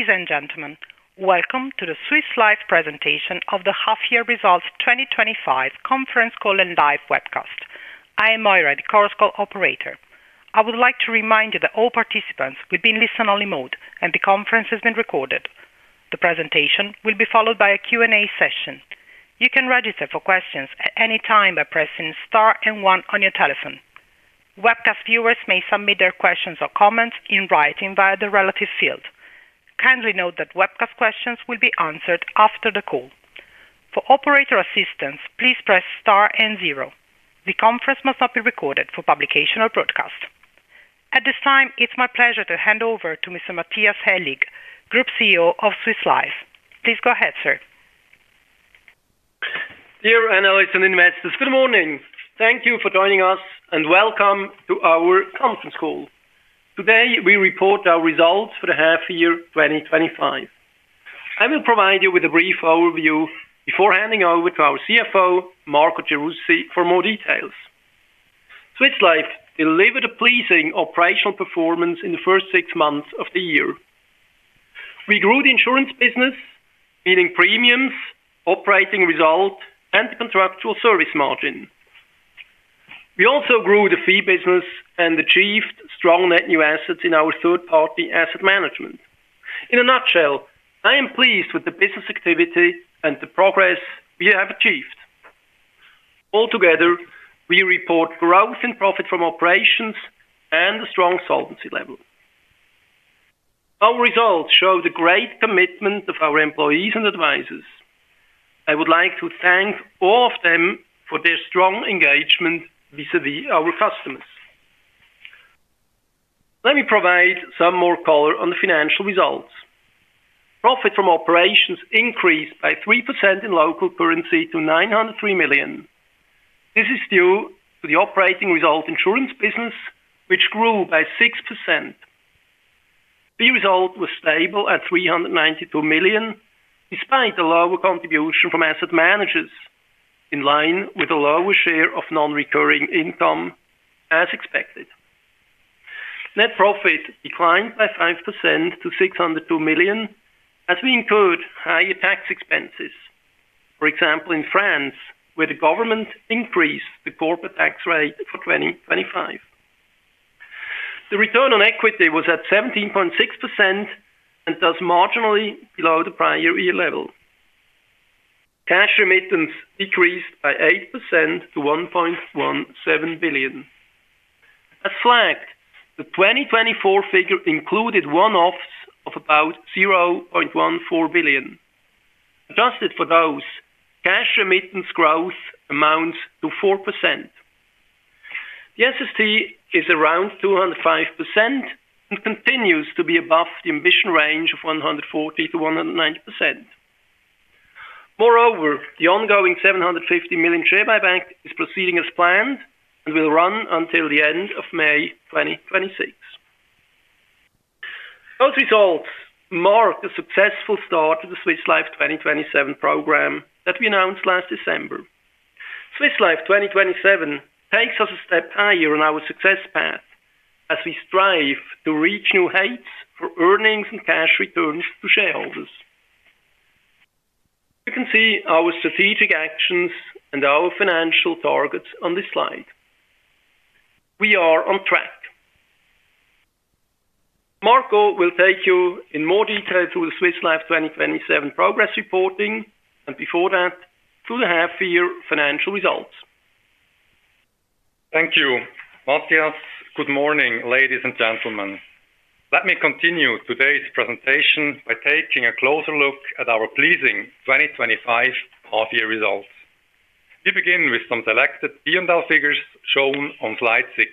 Ladies and gentlemen, welcome to the Swiss Life presentation of the Half Year Results 2025 Conference Call and Dive Webcast. I am Moira, the course call operator. I would like to remind you that all participants will be in listen-only mode, and the conference has been recorded. The presentation will be followed by a Q&A session. You can register for questions at any time by pressing star and one on your telephone. Webcast viewers may submit their questions or comments in writing via the relative field. Kindly note that webcast questions will be answered after the call. For operator assistance, please press star and zero. The conference must not be recorded for publication or broadcast. At this time, it's my pleasure to hand over to Mr. Matthias Aellig, Group CEO of Swiss Life. Please go ahead, sir. Dear analysts and investors, good morning. Thank you for joining us and welcome to our conference call. Today, we report our results for the half year 2025. I will provide you with a brief overview before handing over to our CFO, Marco Gerussi, for more details. Swiss Life delivered a pleasing operational performance in the first six months of the year. We grew the insurance business, meaning premiums, operating result, and the contractual service margin. We also grew the fee business and achieved strong net new assets in our third-party asset management. In a nutshell, I am pleased with the business activity and the progress we have achieved. Altogether, we report growth in profit from operations and a strong solvency level. Our results show the great commitment of our employees and advisors. I would like to thank all of them for their strong engagement vis-à-vis our customers. Let me provide some more color on the financial results. Profit from operations increased by 3% in local currency to 903 million. This is due to the operating result insurance business, which grew by 6%. Fee result was stable at 392 million, despite a lower contribution from asset managers, in line with a lower share of non-recurring income, as expected. Net profit declined by 5% to 602 million as we incurred higher tax expenses. For example, in France, where the government increased the corporate tax rate for 2025. The return on equity was at 17.6% and thus marginally below the prior year level. Cash remittance decreased by 8% to 1.17 billion. As flagged, the 2024 figure included one-offs of about 0.14 billion. Adjusted for those, cash remittance growth amounts to 4%. The SST is around 205% and continues to be above the ambition range of 140% - 190%. Moreover, the ongoing 750 million share buyback is proceeding as planned and will run until the end of May 2026. Those results mark a successful start to the Swiss Life 2027 program that we announced last December. Swiss Life 2027 takes us a step higher on our success path as we strive to reach new heights for earnings and cash returns to shareholders. You can see our strategic actions and our financial targets on this slide. We are on track. Marco will take you in more detail through the Swiss Life 2027 progress reporting, and before that, through the half year financial results. Thank you, Matthias. Good morning, ladies and gentlemen. Let me continue today's presentation by taking a closer look at our pleasing 2025 half-year results. We begin with some selected P&L figures shown on slide six.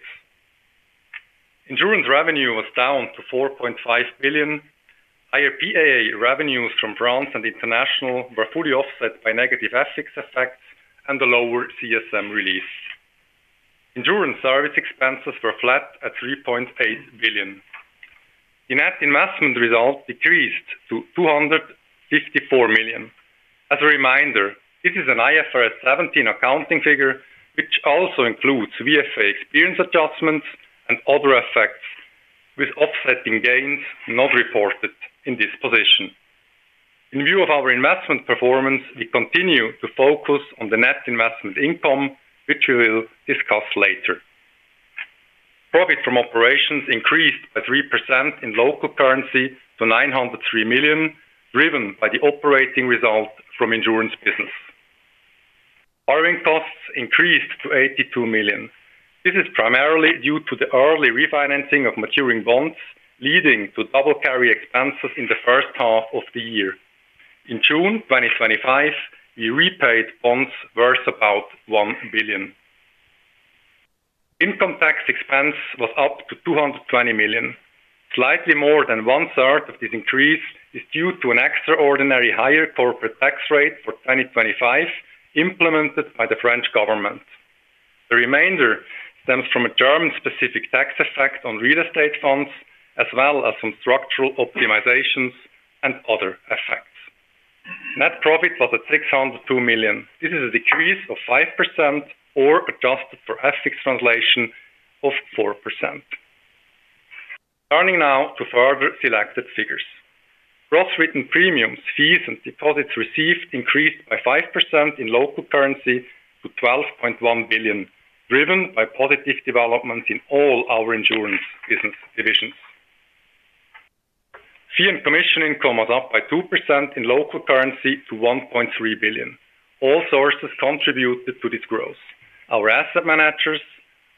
Insurance revenue was down to 4.5 billion. Higher PAA revenues from France and International were fully offset by negative FX effects and a lower CSM release. Insurance service expenses were flat at 3.8 billion. The net investment result decreased to 254 million. As a reminder, this is an IFRS 17 accounting figure, which also includes VFA experience adjustments and other effects, with offsetting gains not reported in this position. In view of our investment performance, we continue to focus on the net investment income, which we will discuss later. Profit from operations increased by 3% in local currency to 903 million, driven by the operating result from insurance business. Borrowing costs increased to 82 million. This is primarily due to the early refinancing of maturing bonds, leading to double carry expenses in the first half of the year. In June 2025, we repaid bonds worth about 1 billion. Income tax expense was up to 220 million. Slightly more than 1/3 of this increase is due to an extraordinary higher corporate tax rate for 2025, implemented by the French government. The remainder stems from a German-specific tax effect on real estate funds, as well as some structural optimizations and other effects. Net profit was at 602 million. This is a decrease of 5% or, adjusted for FX translation, of 4%. Turning now to further selected figures. Gross written premiums, fees, and deposits received increased by 5% in local currency to 12.1 billion, driven by positive developments in all our insurance business divisions. Fee and commission income was up by 2% in local currency to 1.3 billion. All sources contributed to this growth: our asset managers,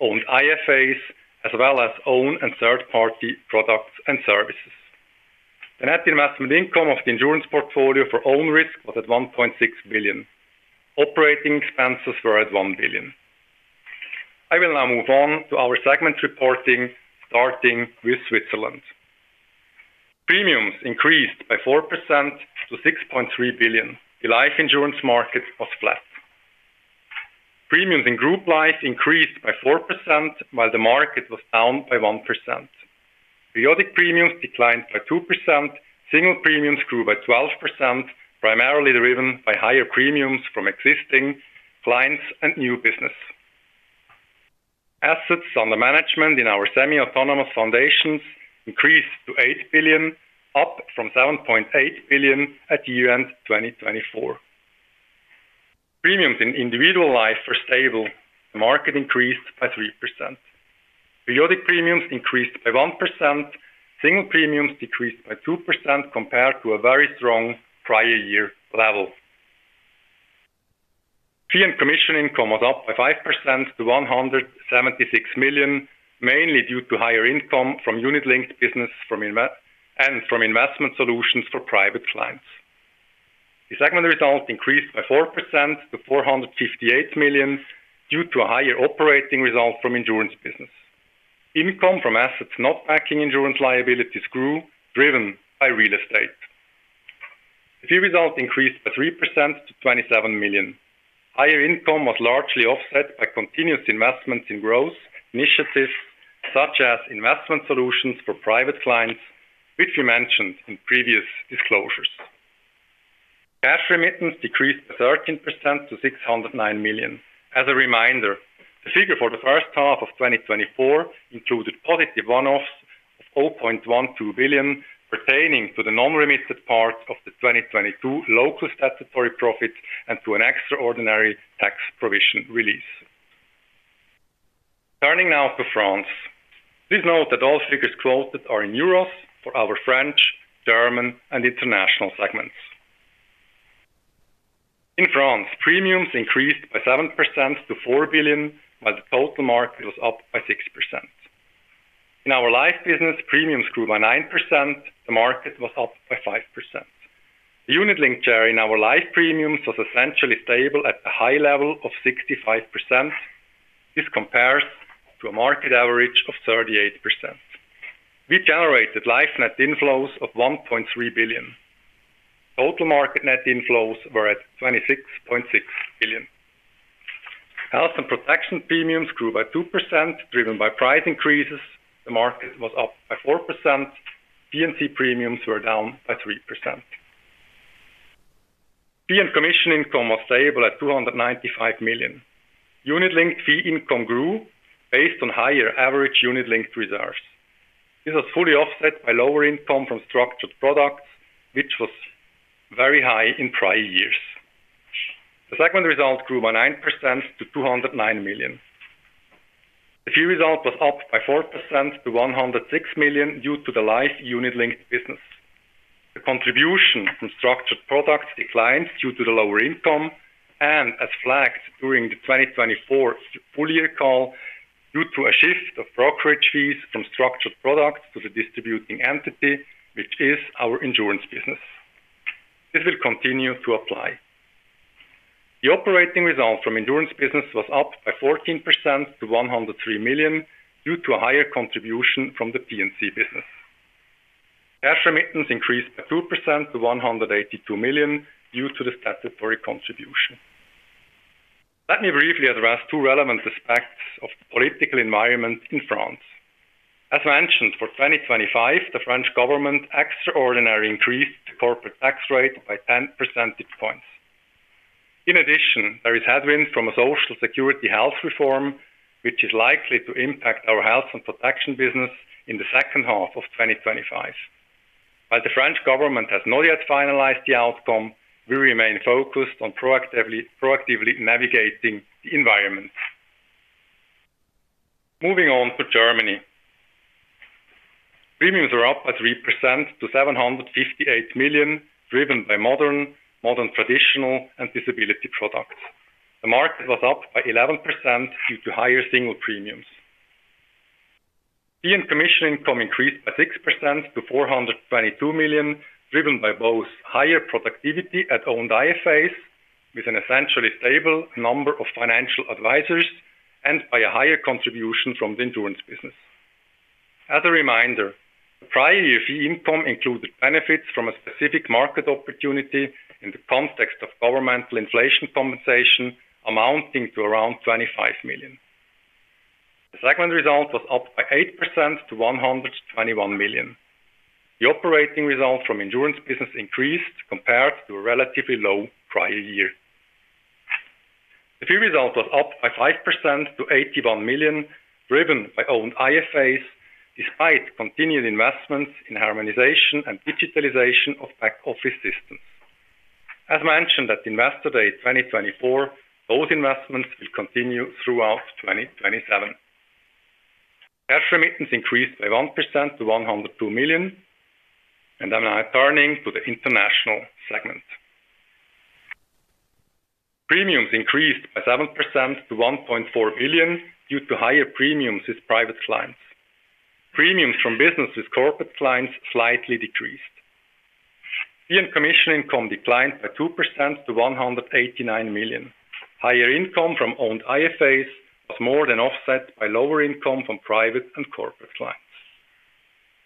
owned IFAs, as well as own and third-party products and services. The net investment income of the insurance portfolio for own risk was at 1.6 billion. Operating expenses were at 1 billion. I will now move on to our segment reporting, starting with Switzerland. Premiums increased by 4% to 6.3 billion. The life insurance market was flat. Premiums in group life increased by 4%, while the market was down by 1%. Periodic premiums declined by 2%. Single premiums grew by 12%, primarily driven by higher premiums from existing clients and new business. Assets under management in our semi-autonomous foundations increased to 8 billion, up from 7.8 billion at year end 2024. Premiums in individual life were stable. The market increased by 3%. Periodic premiums increased by 1%. Single premiums decreased by 2% compared to a very strong prior year level. Fee and commission income was up by 5% to 176 million, mainly due to higher income from unit-linked business and from investment solutions for private clients. The segment result increased by 4% to 458 million due to a higher operating result from insurance business. Income from assets not backing insurance liabilities grew, driven by real estate. The fee result increased by 3% to 27 million. Higher income was largely offset by continuous investments in growth initiatives, such as investment solutions for private clients, which we mentioned in previous disclosures. Cash remittance decreased by 13% to 609 million. As a reminder, the figure for the first half of 2024 included positive one-offs of 0.12 billion, pertaining to the non-remitted part of the 2022 local statutory profit and to an extraordinary tax provision release. Turning now to France. Please note that all figures quoted are in euros for our French, German, and international segments. In France, premiums increased by 7% to 4 billion, while the total market was up by 6%. In our life business, premiums grew by 9%. The market was up by 5%. The unit-linked share in our life premiums was essentially stable at the high level of 65%. This compares to a market average of 38%. We generated life net inflows of 1.3 billion. Total market net inflows were at 26.6 billion. Health and protection premiums grew by 2%, driven by price increases. The market was up by 4%. P&C premiums were down by 3%. Fee and commission income was stable at 295 million. Unit-linked fee income grew based on higher average unit-linked reserves. This was fully offset by lower income from structured products, which was very high in prior years. The segment result grew by 9% to 209 million. The fee result was up by 4% to 106 million due to the life unit-linked business. The contribution from structured products declined due to the lower income, and as flagged during the 2024 full year call, due to a shift of brokerage fees from structured products to the distributing entity, which is our insurance business. This will continue to apply. The operating result from insurance business was up by 14% to 103 million due to a higher contribution from the P&C insurance business. Cash remittance increased by 2% to 182 million due to the statutory contribution. Let me briefly address two relevant aspects of the political environment in France. As mentioned, for 2025, the French government extraordinarily increased the corporate tax rate by 10%. In addition, there is headwind from a Social Security health reform, which is likely to impact our health and protection insurance business in the second half of 2025. While the French government has not yet finalized the outcome, we remain focused on proactively navigating the environment. Moving on to Germany. Premiums are up by 3% to 758 million, driven by modern, modern traditional, and disability products. The market was up by 11% due to higher single premiums. Fee and commission income increased by 6% to 422 million, driven by both higher productivity at owned IFAs, with an essentially stable number of financial advisors, and by a higher contribution from the insurance business. As a reminder, the prior year fee income included benefits from a specific market opportunity in the context of governmental inflation compensation, amounting to around 25 million. The segment result was up by 8% to 121 million. The operating result from insurance business increased compared to a relatively low prior year. The fee result was up by 5% to 81 million, driven by owned IFAs, despite continued investments in harmonization and digitalization of back office systems. As mentioned at Investor Day 2024, those investments will continue throughout 2027. Cash remittance increased by 1% to 102 million. I'm now turning to the International segment. Premiums increased by 7% to 1.4 billion due to higher premiums with private clients. Premiums from business with corporate clients slightly decreased. Fee and commission income declined by 2% to 189 million. Higher income from owned IFAs was more than offset by lower income from private and corporate clients.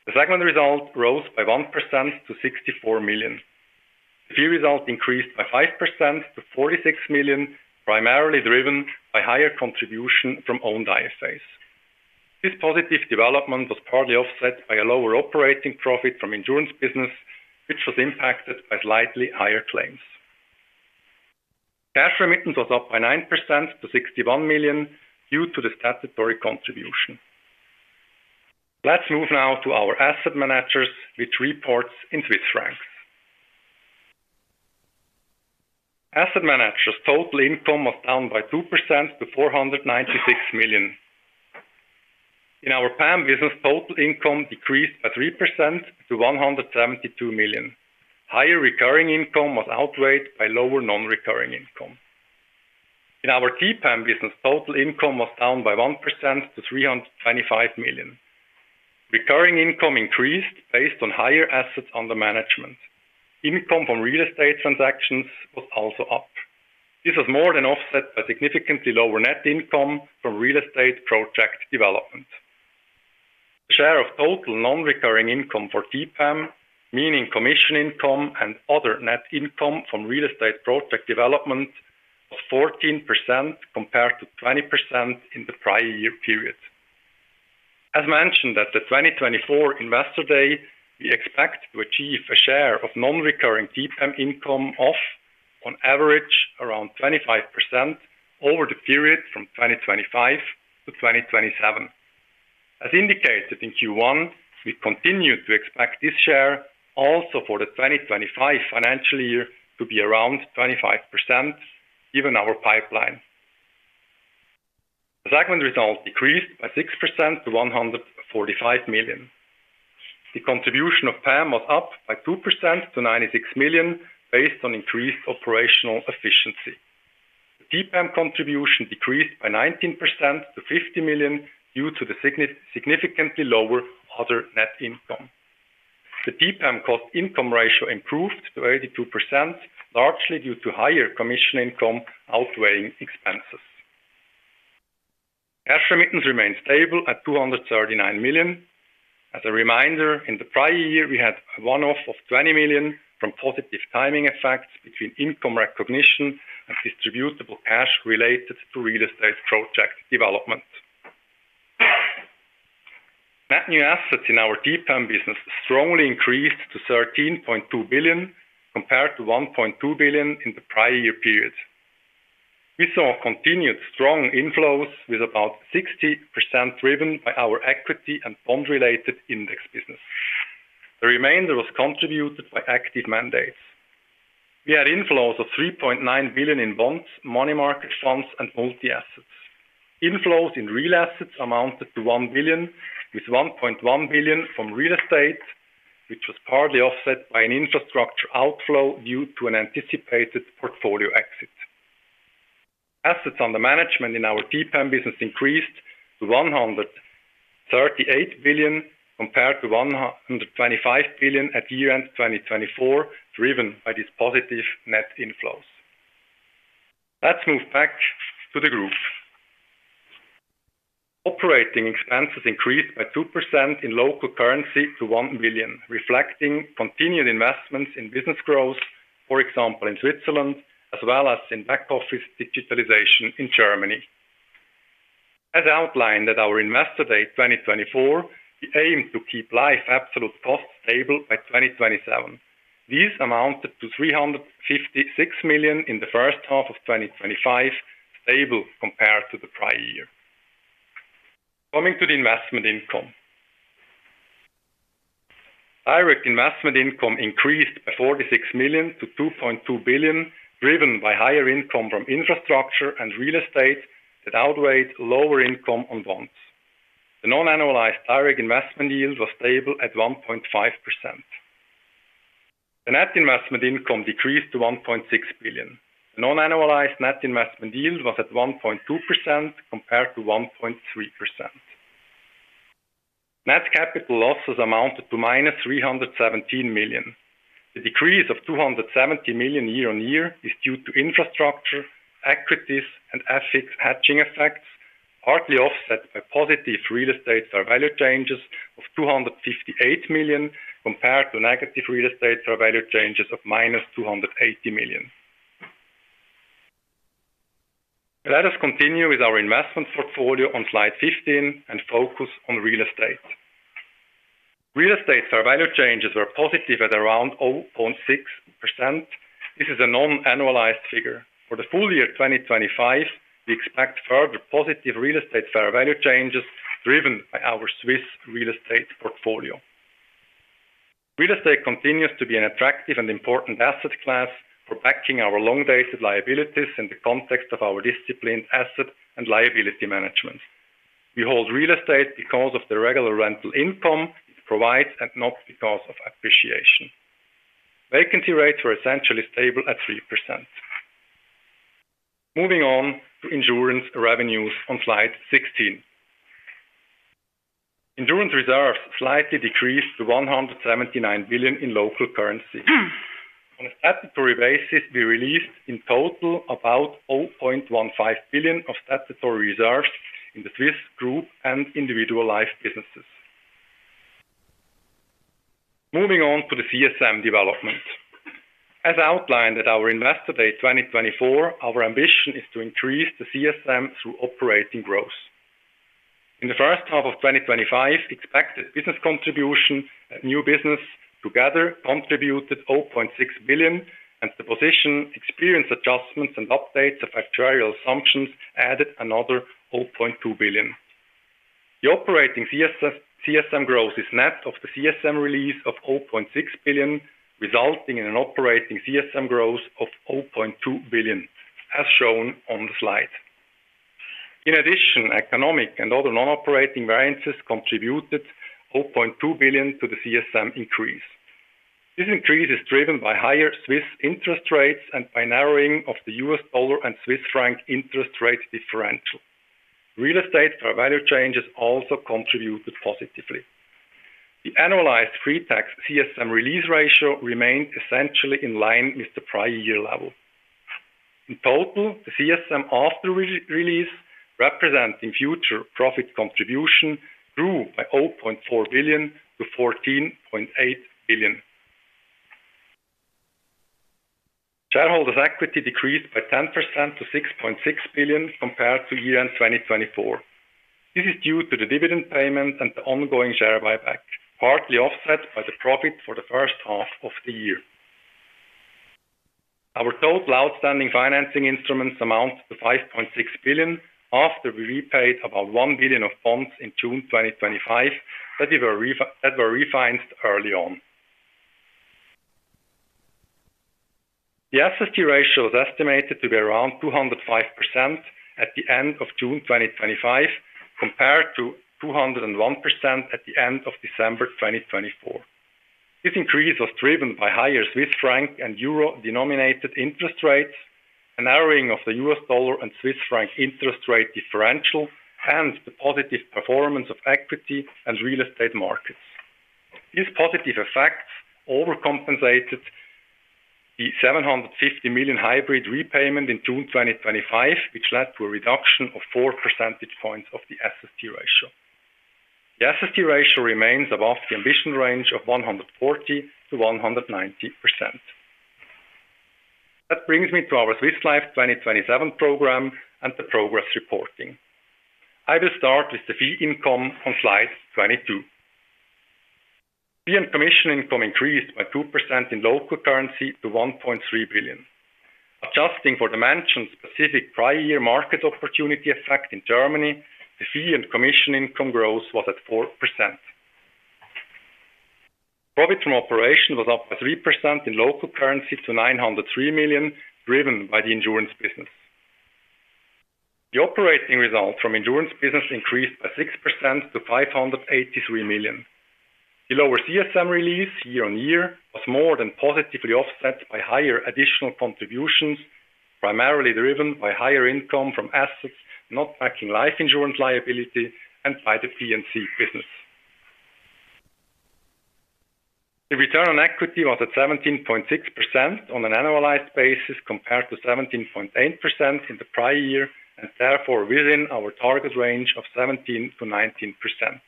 The segment result rose by 1% to 64 million. The fee result increased by 5% to 46 million, primarily driven by higher contribution from owned IFAs. This positive development was partly offset by a lower operating profit from insurance business, which was impacted by slightly higher claims. Cash remittance was up by 9% to 61 million due to the statutory contribution. Let's move now to our asset managers, which report in Swiss France. Asset managers' total income was down by 2% to 496 million. In our PAM business, total income decreased by 3% to 172 million. Higher recurring income was outweighed by lower non-recurring income. In our TPAM business, total income was down by 1% to 325 million. Recurring income increased based on higher assets under management. Income from real estate transactions was also up. This was more than offset by significantly lower net income from real estate project development. The share of total non-recurring income for TPAM, meaning commission income and other net income from real estate project development, was 14% compared to 20% in the prior year period. As mentioned at the 2024 Investor Day, we expect to achieve a share of non-recurring TPAM income of, on average, around 25% over the period from 2025 - 2027. As indicated in Q1, we continue to expect this share also for the 2025 financial year to be around 25%, given our pipeline. The segment result decreased by 6% to 145 million. The contribution of PAM was up by 2% to 96 million based on increased operational efficiency. The TPAM contribution decreased by 19% to 50 million due to the significantly lower other net income. The TPAM cost-income ratio improved to 82%, largely due to higher commission income outweighing expenses. Cash remittance remains stable at 239 million. As a reminder, in the prior year, we had a one-off of 20 million from positive timing effects between income recognition and distributable cash related to real estate project development. Net new assets in our TPAM business strongly increased to 13.2 billion compared to 1.2 billion in the prior year period. We saw continued strong inflows with about 60% driven by our equity and bond-related index business. The remainder was contributed by active mandates. We had inflows of 3.9 billion in bonds, money market funds, and multi-assets. Inflows in real assets amounted to 1 billion, with 1.1 billion from real estate, which was partly offset by an infrastructure outflow due to an anticipated portfolio exit. Assets under management in our TPAM business increased to 138 billion compared to 125 billion at year end 2024, driven by these positive net inflows. Let's move back to the group. Operating expenses increased by 2% in local currency to 1 billion, reflecting continued investments in business growth, for example, in Switzerland, as well as in back office digitalization in Germany. As outlined at our Investor Day 2024, we aim to keep life absolute costs stable by 2027. These amounted to 356 million in the first half of 2025, stable compared to the prior year. Coming to the investment income, direct investment income increased by 46 million to 2.2 billion, driven by higher income from infrastructure and real estate that outweighed lower income on bonds. The non-annualized direct investment yield was stable at 1.5%. The net investment income decreased to 1.6 billion. The non-annualized net investment yield was at 1.2% compared to 1.3%. Net capital losses amounted to -317 million. The decrease of 270 million year on year is due to infrastructure, equities, and FX hedging effects, partly offset by positive real estate fair value changes of 258 million compared to negative real estate fair value changes of -280 million. Let us continue with our investment portfolio on slide 15 and focus on real estate. Real estate fair value changes were positive at around 0.6%. This is a non-annualized figure. For the full year 2025, we expect further positive real estate fair value changes driven by our Swiss real estate portfolio. Real estate continues to be an attractive and important asset class for backing our long-dated liabilities in the context of our disciplined asset and liability management. We hold real estate because of the regular rental income it provides and not because of appreciation. Vacancy rates were essentially stable at 3%. Moving on to insurance reserves on slide 16, insurance reserves slightly decreased to 179 billion in local currency. On a statutory basis, we released in total about 0.15 billion of statutory reserves in the Swiss group and individual life businesses. Moving on to the CSM development, as outlined at our Investor Day 2024, our ambition is to increase the CSM through operating growth. In the first half of 2025, expected business contribution and new business together contributed 0.6 billion, and the position experience adjustments and updates of actuarial assumptions added another 0.2 billion. The operating CSM growth is net of the CSM release of 0.6 billion, resulting in an operating CSM growth of 0.2 billion, as shown on the slide. In addition, economic and other non-operating variances contributed 0.2 billion to the CSM increase. This increase is driven by higher Swiss interest rates and by narrowing of the U.S. dollar and Swiss franc interest rate differential. Real estate fair value changes also contributed positively. The annualized pre-tax CSM release ratio remained essentially in line with the prior year level. In total, the CSM after release, representing future profit contribution, grew by 0.4 billion to 14.8 billion. Shareholders' equity decreased by 10% to 6.6 billion compared to year end 2024. This is due to the dividend payment and the ongoing share buyback, partly offset by the profit for the first half of the year. Our total outstanding financing instruments amount to 5.6 billion after we repaid about 1 billion of bonds in June 2025 that were refinanced early on. The SST ratio is estimated to be around 205% at the end of June 2025, compared to 201% at the end of December 2024. This increase was driven by higher Swiss franc and euro denominated interest rates, a narrowing of the U.S. dollar and Swiss franc interest rate differential, and the positive performance of equity and real estate markets. These positive effects overcompensated the 750 million hybrid repayment in June 2025, which led to a reduction of 4 percentage points of the SST ratio. The SST ratio remains above the ambition range of 140 %-1 90%. That brings me to our Swiss Life 2027 program and the progress reporting. I will start with the fee income on slide 22. Fee and commission income increased by 2% in local currency to 1.3 billion. Adjusting for the mentioned specific prior year market opportunity effect in Germany, the fee and commission income growth was at 4%. Profit from operations was up by 3% in local currency to 903 million, driven by the insurance business. The operating result from insurance business increased by 6% to 583 million. The lower CSM release year on year was more than positively offset by higher additional contributions, primarily driven by higher income from assets not backing life insurance liability and private P&C business. The return on equity was at 17.6% on an annualized basis compared to 17.8% in the prior year and therefore within our target range of 17 %- 19%.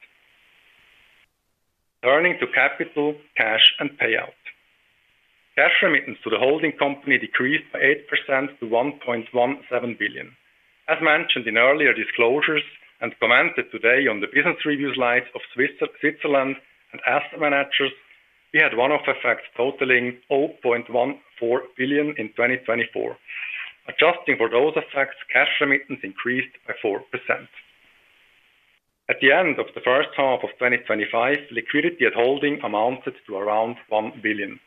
Turning to capital, cash, and payout. Cash remittance to the holding company decreased by 8% to 1.17 billion. As mentioned in earlier disclosures and commented today on the business review slides of Switzerland and asset managers, we had one-off effects totaling 0.14 billion in 2024. Adjusting for those effects, cash remittance increased by 4%. At the end of the first half of 2025, liquidity at holding amounted to around 1 billion.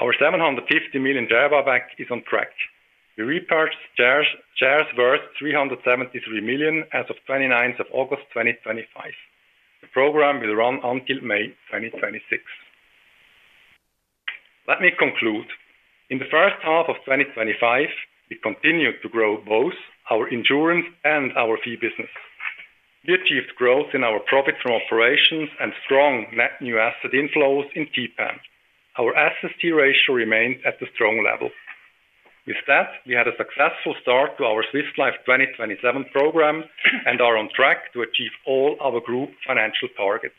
Our 750 million share buyback is on track. We repurchased shares worth 373 million as of 29th of August, 2025. The program will run until May 2026. Let me conclude. In the first half of 2025, we continued to grow both our insurance and our fee business. We achieved growth in our profits from operations and strong net new asset inflows in TPAM. Our SST ratio remained at the strong level. With that, we had a successful start to our Swiss Life 2027 program and are on track to achieve all our group financial targets.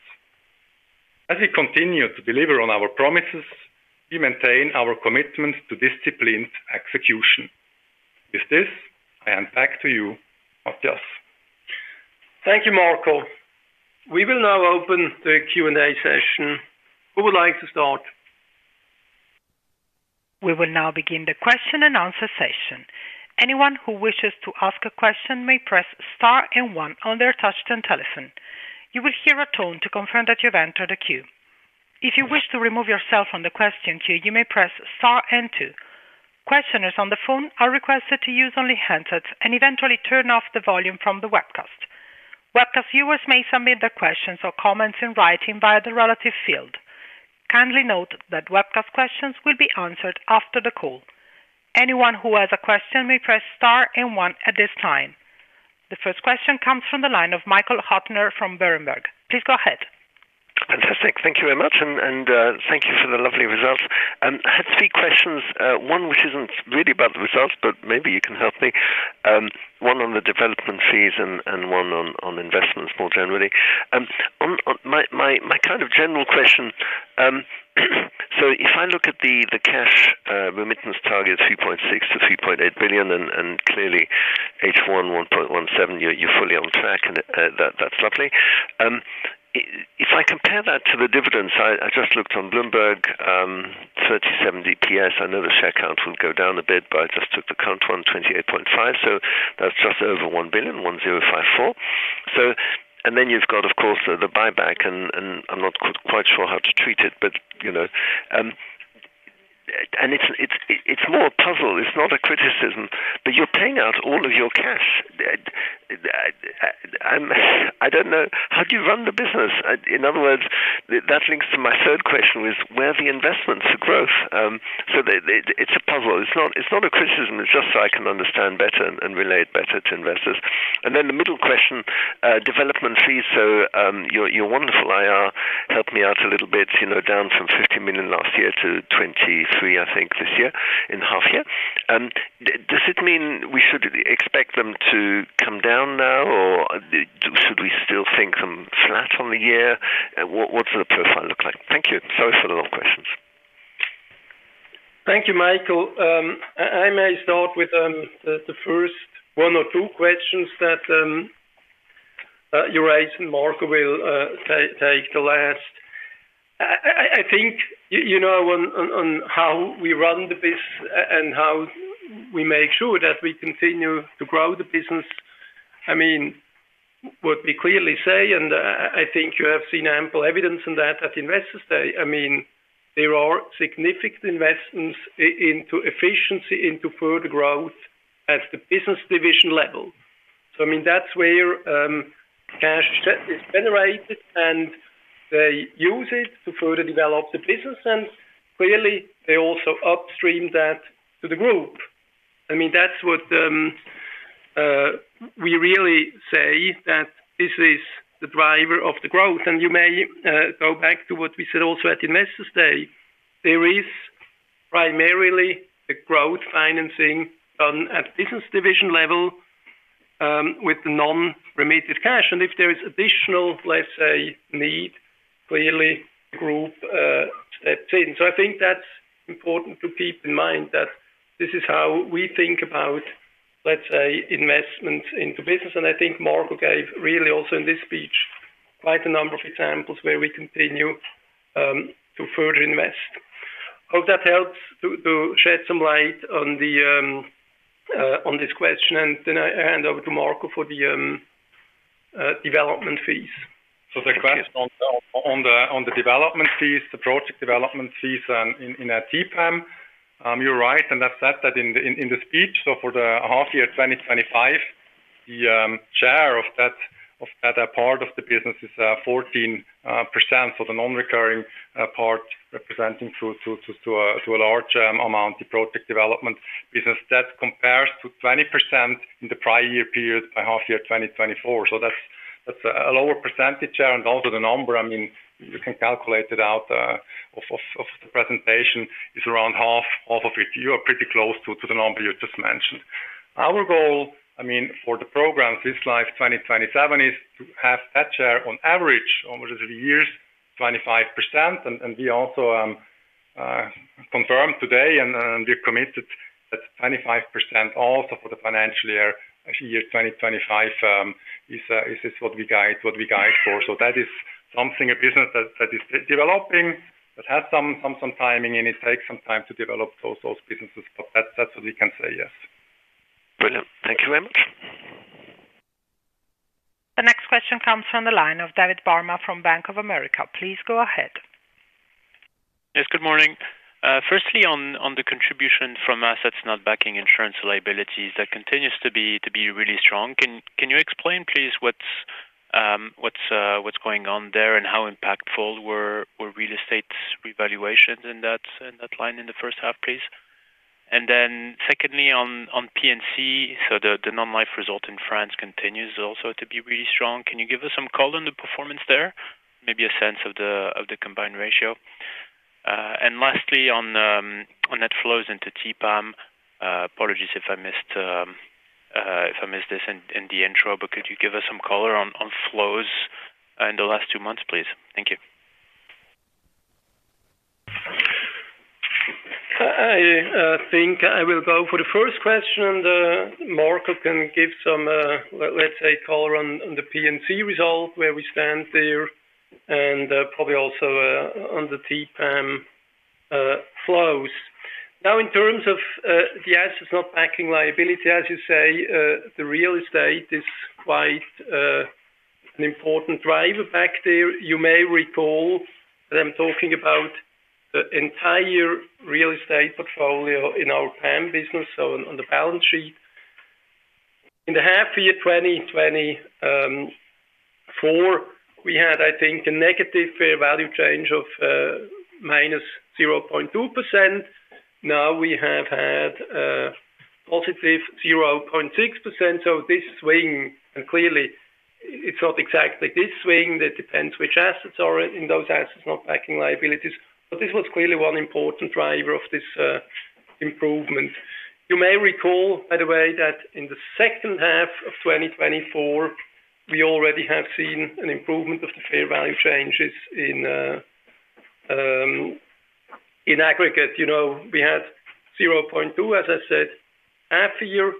As we continue to deliver on our promises, we maintain our commitments to disciplined execution. With this, I hand back to you, Matthias. Thank you, Marco. We will now open the Q&A session. Who would like to start? We will now begin the question and answer session. Anyone who wishes to ask a question may press star and one on their touch-tone telephone. You will hear a tone to confirm that you have entered the queue. If you wish to remove yourself from the question queue, you may press star and two. Questioners on the phone are requested to use only headsets and eventually turn off the volume from the webcast. Webcast viewers may submit their questions or comments in writing via the relevant field. Kindly note that webcast questions will be answered after the call. Anyone who has a question may press star and one at this time. The first question comes from the line of Michael Huttner from Berenberg. Please go ahead. Fantastic. Thank you very much, and thank you for the lovely results. I had three questions. One which isn't really about the results, but maybe you can help me. One on the development fees and one on investments more generally. My kind of general question. If I look at the cash remittance target of 3.6 billion-3.8 billion, and clearly H1 1.17 billion, you're fully on track, and that's lovely. If I compare that to the dividends, I just looked on Bloomberg, 37 DPS. I know the share count will go down a bit, but I just took the current one, 28.5 million. So that's just over 1 billion, 1.054 billion. Then you've got, of course, the buyback, and I'm not quite sure how to treat it, but you know. It's more a puzzle. It's not a criticism, but you're paying out all of your cash. I don't know. How do you run the business? In other words, that links to my third question, which is where are the investments for growth? It's a puzzle. It's not a criticism. It's just so I can understand better and relate better to investors. The middle question, development fees. Your wonderful IR helped me out a little bit, you know, down from 50 million last year to 23 million, I think, this year in half year. Does it mean we should expect them to come down now, or should we still think them flat on the year? What should the profile look like? Thank you. Sorry for the long questions. Thank you, Michael. I may start with the first one or two questions that you raised, and Marco will take the last. I think you know on how we run the business and how we make sure that we continue to grow the business. What we clearly say, and I think you have seen ample evidence in that at Investor's Day. There are significant investments into efficiency, into further growth at the business division level. That's where cash is generated, and they use it to further develop the business, and clearly, they also upstream that to the group. What we really say is that this is the driver of the growth. You may go back to what we said also at Investor's Day. There is primarily a growth financing done at the business division level with the non-remitted cash. If there is additional, let's say, need, clearly the group steps in. I think that's important to keep in mind that this is how we think about, let's say, investments into business. I think Marco gave really also in this speech quite a number of examples where we continue to further invest. I hope that helps to shed some light on this question. I hand over to Marco for the development fees. The question on the development fees, the project development fees in TPAM, you're right, and I've said that in the speech. For the half year 2025, the share of that part of the business is 14% for the non-recurring part representing to a large amount of project development business. That compares to 20% in the prior year period by half year 2024. That's a lower percentage share and also the number. I mean, you can calculate it out of the presentation. It's around half of it. You are pretty close to the number you just mentioned. Our goal for the program, Swiss Life 2027, is to have that share on average over the years 25%. We also confirmed today, and we're committed that 25% also for the financial year 2025 is what we guide for. That is something, a business that is developing that has some timing, and it takes some time to develop those businesses. That's what we can say, yes. Brilliant. Thank you very much. The next question comes from the line of David Barma from Bank of America. Please go ahead. Yes, good morning. Firstly, on the contribution from assets not backing insurance liabilities, that continues to be really strong. Can you explain, please, what's going on there and how impactful were real estate revaluations in that line in the first half, please? Secondly, on P&C, the non-life result in France continues also to be really strong. Can you give us some color on the performance there? Maybe a sense of the combined ratio. Lastly, on net flows into TPAM, apologies if I missed this in the intro, but could you give us some color on flows in the last two months, please? Thank you. I think I will go for the first question, and Marco can give some, let's say, color on the P&C result where we stand there and probably also on the TPAM flows. Now, in terms of the assets not backing liability, as you say, the real estate is quite an important driver back there. You may recall that I'm talking about the entire real estate portfolio in our PAM business, so on the balance sheet. In the half year 2024, we had, I think, a negative fair value change of -0.2%. Now we have had a positive 0.6%. This swing, and clearly, it's not exactly this swing that depends which assets are in those assets not backing liabilities. This was clearly one important driver of this improvement. You may recall, by the way, that in the second half of 2024, we already have seen an improvement of the fair value changes in aggregate. We had 0.2%, as I said, half year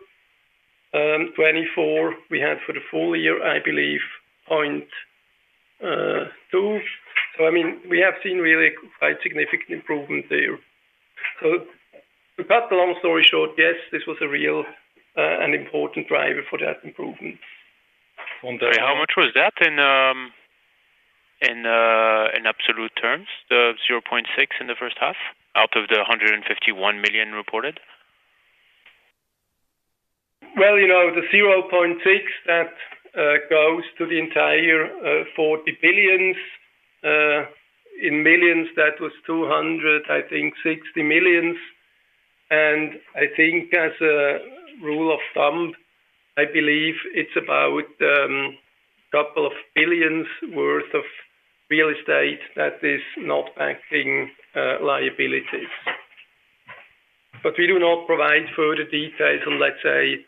2024. We had for the full year, I believe, 0.2%. I mean, we have seen really quite significant improvement there. To cut the long story short, yes, this was a real and important driver for that improvement. One day. How much was that in absolute terms, the 0.6% in the first half out of the 151 million reported? The 0.6%, that goes to the entire 40 billion. In millions, that was 260 million. I think as a rule of thumb, I believe it's about a couple of billion worth of real estate that is not backing liabilities. We do not provide further details on, let's say,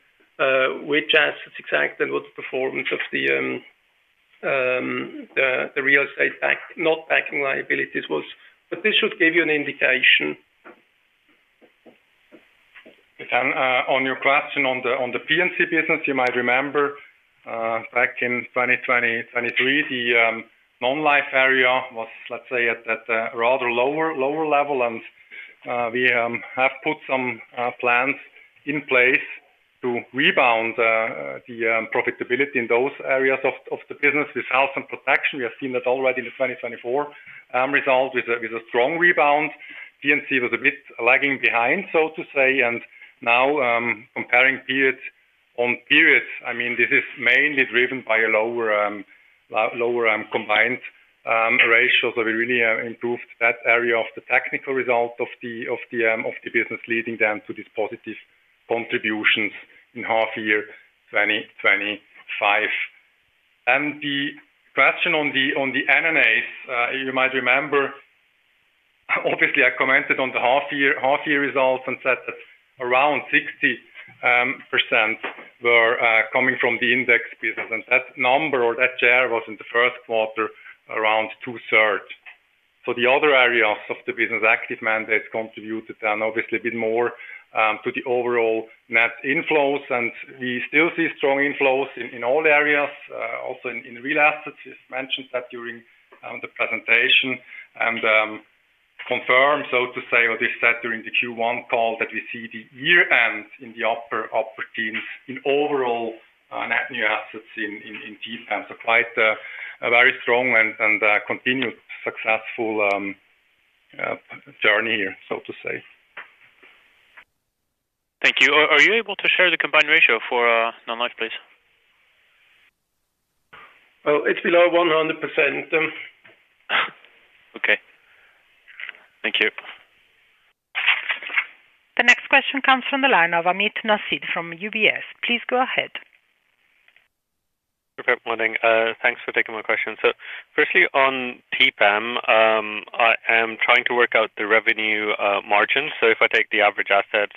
which assets exactly and what the performance of the real estate not backing liabilities was. This should give you an indication. On your question on the P&C insurance business, you might remember back in 2023, the non-life area was, let's say, at a rather lower level. We have put some plans in place to rebound the profitability in those areas of the business with health and protection. We have seen that already in the 2024 result with a strong rebound. P&C insurance was a bit lagging behind, so to say. Now, comparing periods on periods, this is mainly driven by a lower combined ratio. We really improved that area of the technical result of the business, leading them to these positive contributions in half year 2025. The question on the NNA, you might remember, obviously, I commented on the half year results and said that around 60% were coming from the index business. That number or that share was in the first quarter around 2/3. The other areas of the business, active mandates, contributed obviously a bit more to the overall net inflows. We still see strong inflows in all areas, also in real assets. You mentioned that during the presentation and confirmed, so to say, what we said during the Q1 call that we see the year end in the upper teens in overall net new assets in third-party asset management. Quite a very strong and continued successful journey here, so to say. Thank you. Are you able to share the combined ratio for non-life, please? It's below 100%. Okay, thank you. The next question comes from the line of [Amid Nassid ] from UBS. Please go ahead. Okay. Morning. Thanks for taking my question. Firstly, on TPAM, I am trying to work out the revenue margin. If I take the average assets,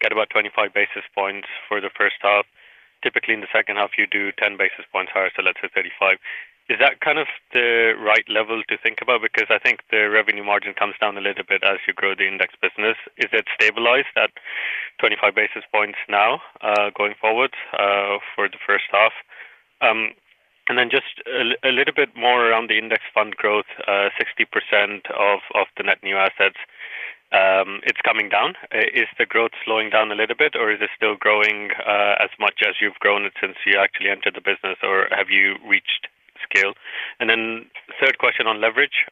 get about 25 basis points for the first half. Typically, in the second half, you do 10 basis points higher, let's say 35. Is that kind of the right level to think about? I think the revenue margin comes down a little bit as you grow the index business. Is it stabilized at 25 basis points now going forward for the first half? Just a little bit more around the index fund growth, 60% of the net new assets, it's coming down. Is the growth slowing down a little bit, or is it still growing as much as you've grown it since you actually entered the business, or have you reached scale? Third question on leverage.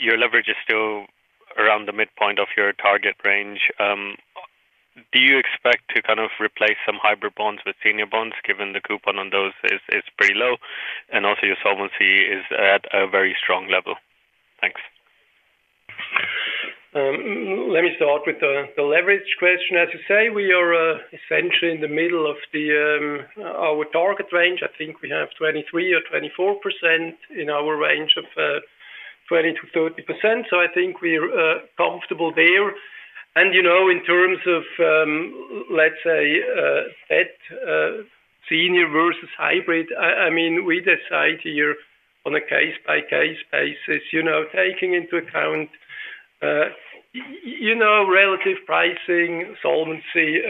Your leverage is still around the midpoint of your target range. Do you expect to kind of replace some hybrid bonds with senior bonds, given the coupon on those is pretty low? Also, your solvency is at a very strong level. Thanks. Let me start with the leverage question. As you say, we are essentially in the middle of our target range. I think we have 23% or 24% in our range of 20% - 30%. I think we're comfortable there. In terms of, let's say, debt senior versus hybrid, we decide here on a case-by-case basis, taking into account relative pricing, solvency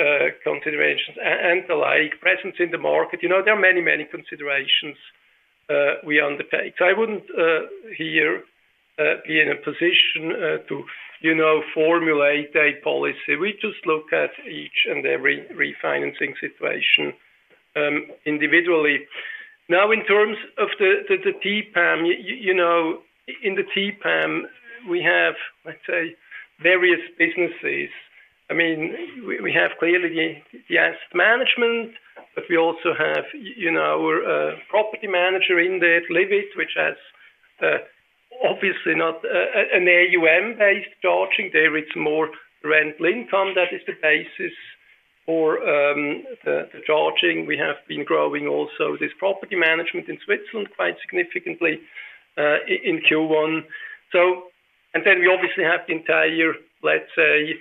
considerations, and the like, presence in the market. There are many, many considerations we undertake. I wouldn't here be in a position to formulate a policy. We just look at each and every refinancing situation individually. Now, in terms of the TPAM, in the TPAM, we have, let's say, various businesses. We have clearly the asset management, but we also have property manager [indeed], Livit, which has obviously not an AUM-based charging there. It's more rental income that is the basis for the charging. We have been growing also this property management in Switzerland quite significantly in Q1. Then we obviously have the entire, let's say,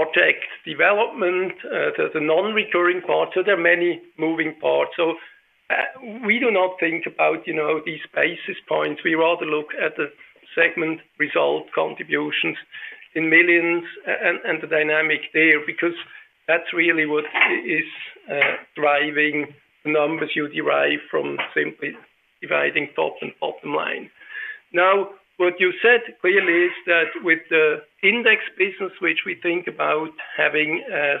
project development, the non-recurring part. There are many moving parts. We do not think about these basis points. We rather look at the segment result contributions in millions and the dynamic there because that's really what is driving the numbers you derive from simply dividing top and bottom line. What you said clearly is that with the index business, which we think about having as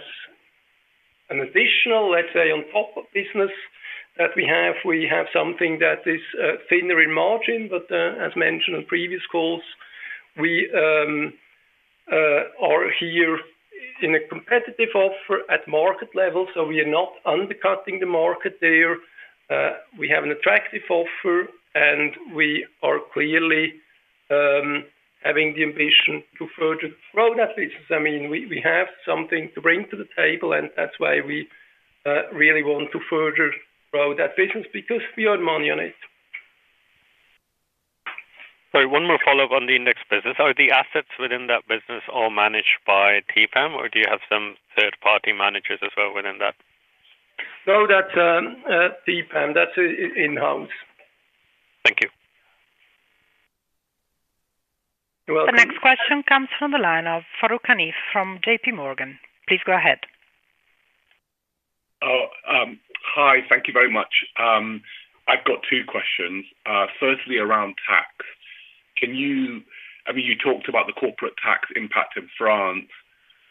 an additional, let's say, on top of business that we have, we have something that is thinner in margin. As mentioned in previous calls, we are here in a competitive offer at market level. We are not undercutting the market there. We have an attractive offer, and we are clearly having the ambition to further grow that business. We have something to bring to the table, and that's why we really want to further grow that business because we earn money on it. Sorry, one more follow-up on the index business. Are the assets within that business all managed by TPAM, or do you have some third-party managers as well within that? No, that's TPAM. That's in-house. Thank you. The next question comes from the line of Farooq Hanif from JP Morgan. Please go ahead. Hi, thank you very much. I've got two questions. Firstly, around tax. Can you, I mean, you talked about the corporate tax impact in France,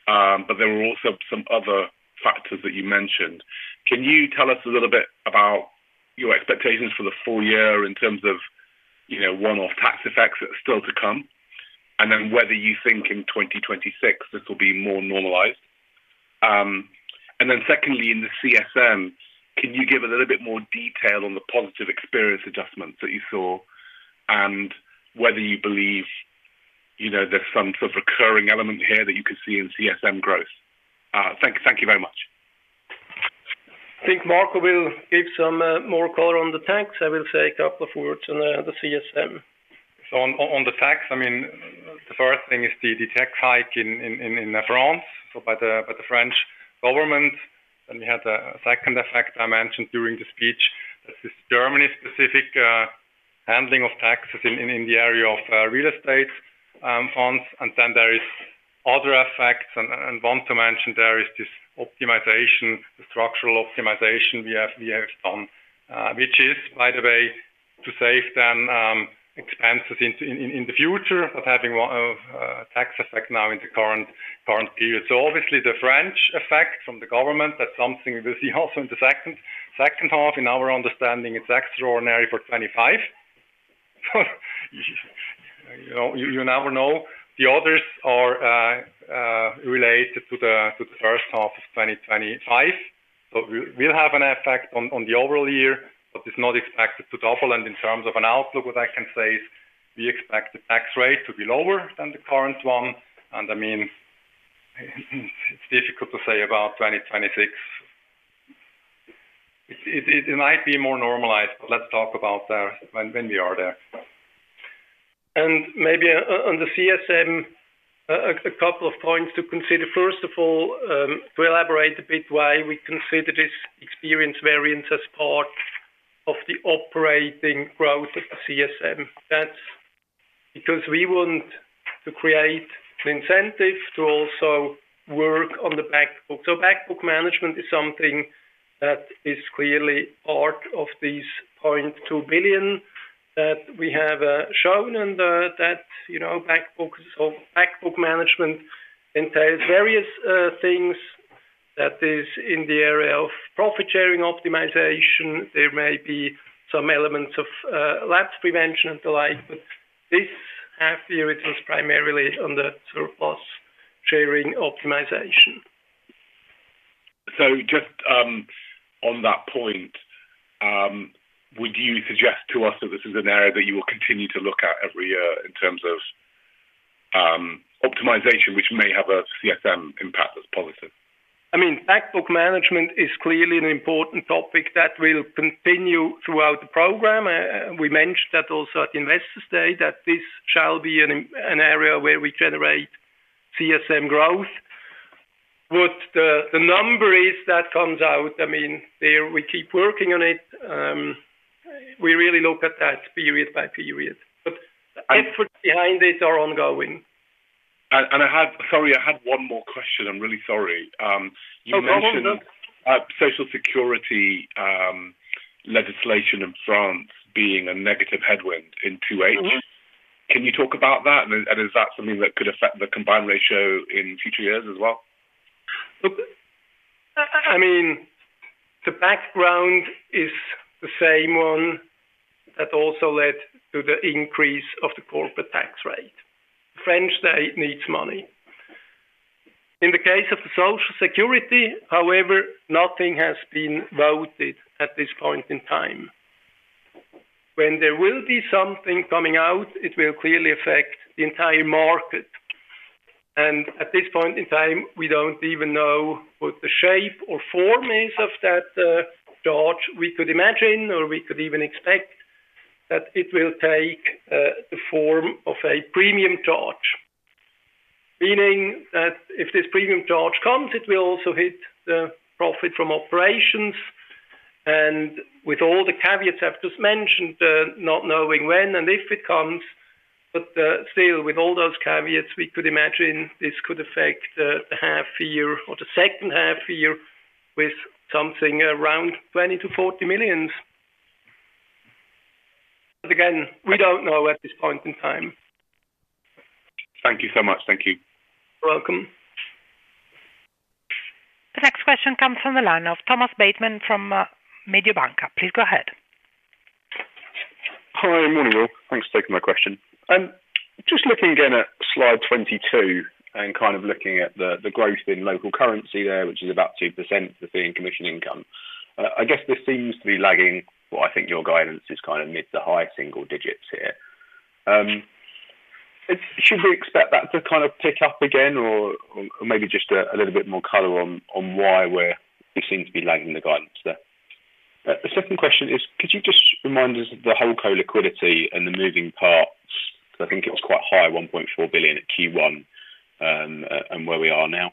but there were also some other factors that you mentioned. Can you tell us a little bit about your expectations for the full year in terms of, you know, one-off tax effects that are still to come, and then whether you think in 2026 this will be more normalized? Secondly, in the CSM, can you give a little bit more detail on the positive experience adjustments that you saw and whether you believe, you know, there's some sort of recurring element here that you could see in CSM growth? Thank you very much. I think Marco Gerussi will give some more color on the tax. I will say a couple of words on the CSM. On the tax, the first thing is the tax hike in France by the French government. We had a second effect I mentioned during the speech. This is Germany-specific handling of taxes in the area of real estate funds. There are other effects. I want to mention there is this optimization, the structural optimization we have done, which is, by the way, to save expenses in the future, but having a tax effect now in the current period. Obviously, the French effect from the government, that's something we'll see also in the second half. In our understanding, it's extraordinary for 2025. You never know. The others are related to the first half of 2025. We'll have an effect on the overall year, but it's not expected to double. In terms of an outlook, what I can say is we expect the tax rate to be lower than the current one. It's difficult to say about 2026. It might be more normalized, but let's talk about that when we are there. Maybe on the CSM, a couple of points to consider. First of all, to elaborate a bit why we consider this experience variance as part of the operating growth of the CSM. That's because we want to create an incentive to also work on the backbook. Backbook management is something that is clearly part of these 0.2 billion that we have shown, and backbook management entails various things. That is in the area of profit sharing optimization. There may be some elements of lapse prevention and the like. This half year, it was primarily under surplus sharing optimization. Would you suggest to us that this is an area that you will continue to look at every year in terms of optimization, which may have a CSM impact as positive? Backbook management is clearly an important topic that will continue throughout the program. We mentioned at Investor's Day that this shall be an area where we generate CSM growth. What the number is that comes out, we keep working on it. We really look at that period by period. Efforts behind it are ongoing. I had one more question. I'm really sorry. Go ahead. You mentioned Social Security legislation in France being a negative headwind in 2H. Can you talk about that? Is that something that could affect the combined ratio in future years as well? I mean, the background is the same one that also led to the increase of the corporate tax rate. The French state needs money. In the case of the Social Security, however, nothing has been voted at this point in time. When there will be something coming out, it will clearly affect the entire market. At this point in time, we don't even know what the shape or form is of that charge. We could imagine, or we could even expect that it will take the form of a premium charge, meaning that if this premium charge comes, it will also hit the profit from operations. With all the caveats I've just mentioned, not knowing when and if it comes, still, with all those caveats, we could imagine this could affect the half year or the second half year with something around 20 million - 40 million. Again, we don't know at this point in time. Thank you so much. Thank you. You're welcome. The next question comes from the line of Thomas Bateman from Mediobanca. Please go ahead. Hi, morning all. Thanks for taking my question. I'm just looking again at slide 22 and kind of looking at the growth in local currency there, which is about 2% of the fee and commission income. I guess this seems to be lagging. I think your guidance is kind of mid to high single digits here. Should we expect that to pick up again or maybe just a little bit more color on why we seem to be lagging the guidance there? The second question is, could you just remind us of the whole co-liquidity and the moving part? I think it was quite high, 1.4 billion at Q1 and where we are now.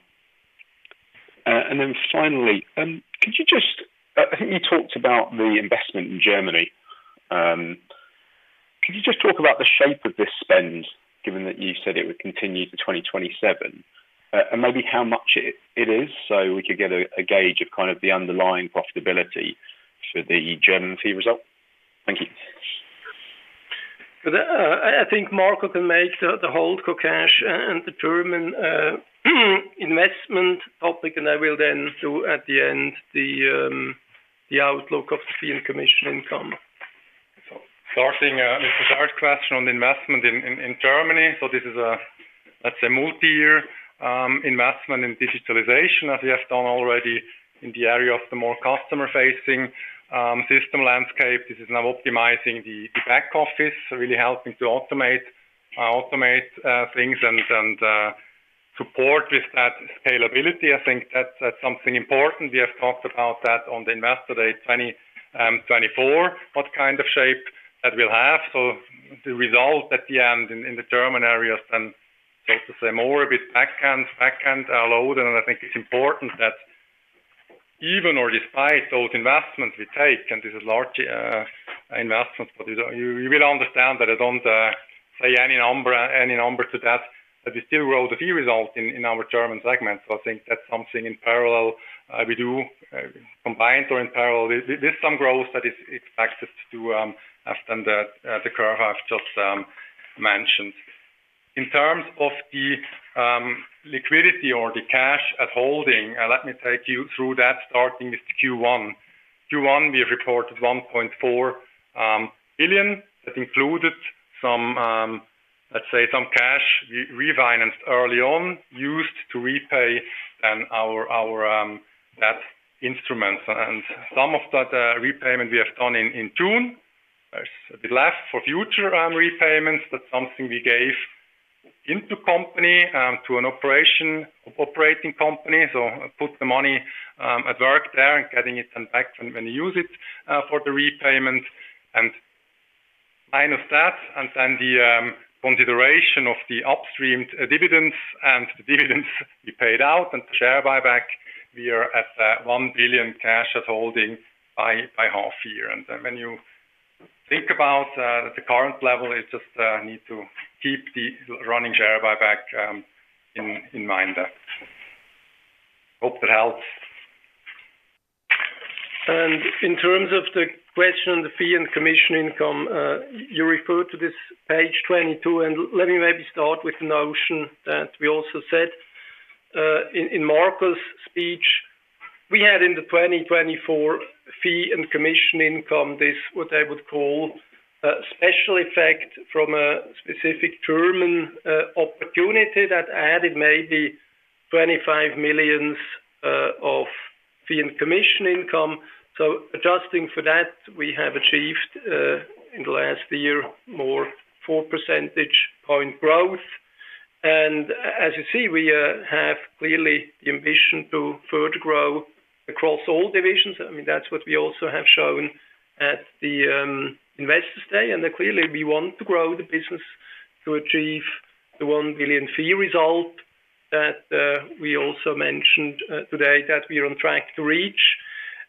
Finally, could you just, I think you talked about the investment in Germany. Could you just talk about the shape of this spend, given that you said it would continue to 2027? Maybe how much it is so we could get a gauge of the underlying profitability for the German fee result. Thank you. I think Marco can make the whole co-cash and the German investment topic, and I will then do at the end the outlook of the fee and commission income. Starting with the third question on investment in Germany. This is a multi-year investment in digitalization, as we have done already in the area of the more customer-facing system landscape. This is now optimizing the back office, really helping to automate things and support with that scalability. I think that's something important. We have talked about that on the Investor Day 2024, what kind of shape that will have. The result at the end in the German area is then, so to say, more a bit backhand, backhand load. I think it's important that even or despite those investments we take, and this is large investments, but you will understand that I don't say any number to that, that we still grow the fee result in our German segment. I think that's something in parallel we do combine or in parallel. There's some growth that is expected to do after the curve I've just mentioned. In terms of the liquidity or the cash at holding, let me take you through that, starting with Q1. Q1, we reported 1.4 billion that included some cash we refinanced early on, used to repay then our debt instruments. Some of that repayment we have done in June. There's a bit left for future repayments. That's something we gave into company to an operating company. Put the money at work there and getting it then back when you use it for the repayment. The consideration of the upstreamed dividends and the dividends we paid out and the share buyback, we are at 1 billion cash at holding by half year. When you think about the current level, you just need to keep the running share buyback in mind. Hope that helps. In terms of the question on the fee and commission income, you refer to this page 22. Let me maybe start with the notion that we also said in Marco's speech. We had in the 2024 fee and commission income what I would call a special effect from a specific German opportunity that added maybe 25 million of fee and commission income. Adjusting for that, we have achieved in the last year more 4 percentage point growth. As you see, we have clearly the ambition to further grow across all divisions. That is what we also have shown at the Investor's Day. Clearly, we want to grow the business to achieve the 1 billion fee result that we also mentioned today that we are on track to reach.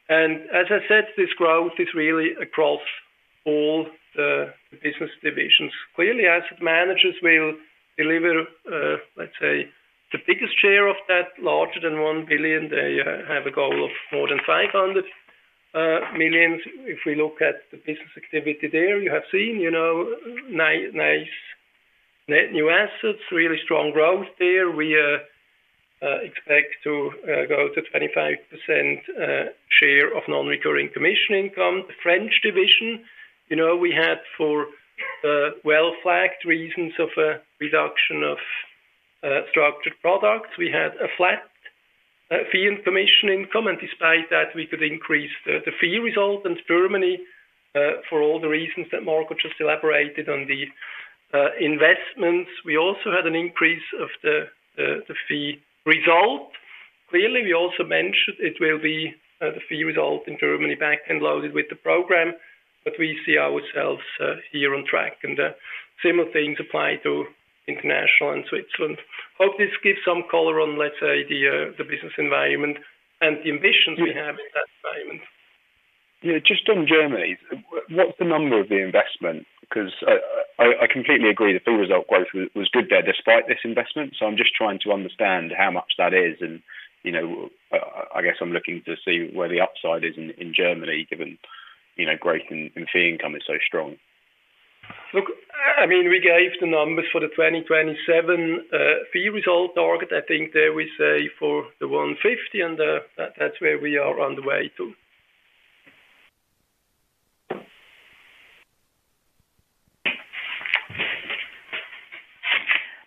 As I said, this growth is really across all the business divisions. Clearly, asset managers will deliver, let's say, the biggest share of that, larger than 1 billion. They have a goal of more than 500 million. If we look at the business activity there, you have seen nice net new assets, really strong growth there. We expect to go to 25% share of non-recurring commission income. The French division, for well-flagged reasons of a reduction of structured products, had a flat fee and commission income. Despite that, we could increase the fee result in Germany for all the reasons that Marco just elaborated on the investments. We also had an increase of the fee result. It will be the fee result in Germany back-end loaded with the program, but we see ourselves here on track. Similar things apply to International and Switzerland. Hope this gives some color on the business environment and the ambitions we have in that environment. Yeah, just on Germany, what's the number of the investment? I completely agree the fee result growth was good there despite this investment. I'm just trying to understand how much that is. I guess I'm looking to see where the upside is in Germany, given growth in fee income is so strong. I mean, we gave the numbers for the 2027 fee result target. I think there we say for the [150 million], and that's where we are on the way to.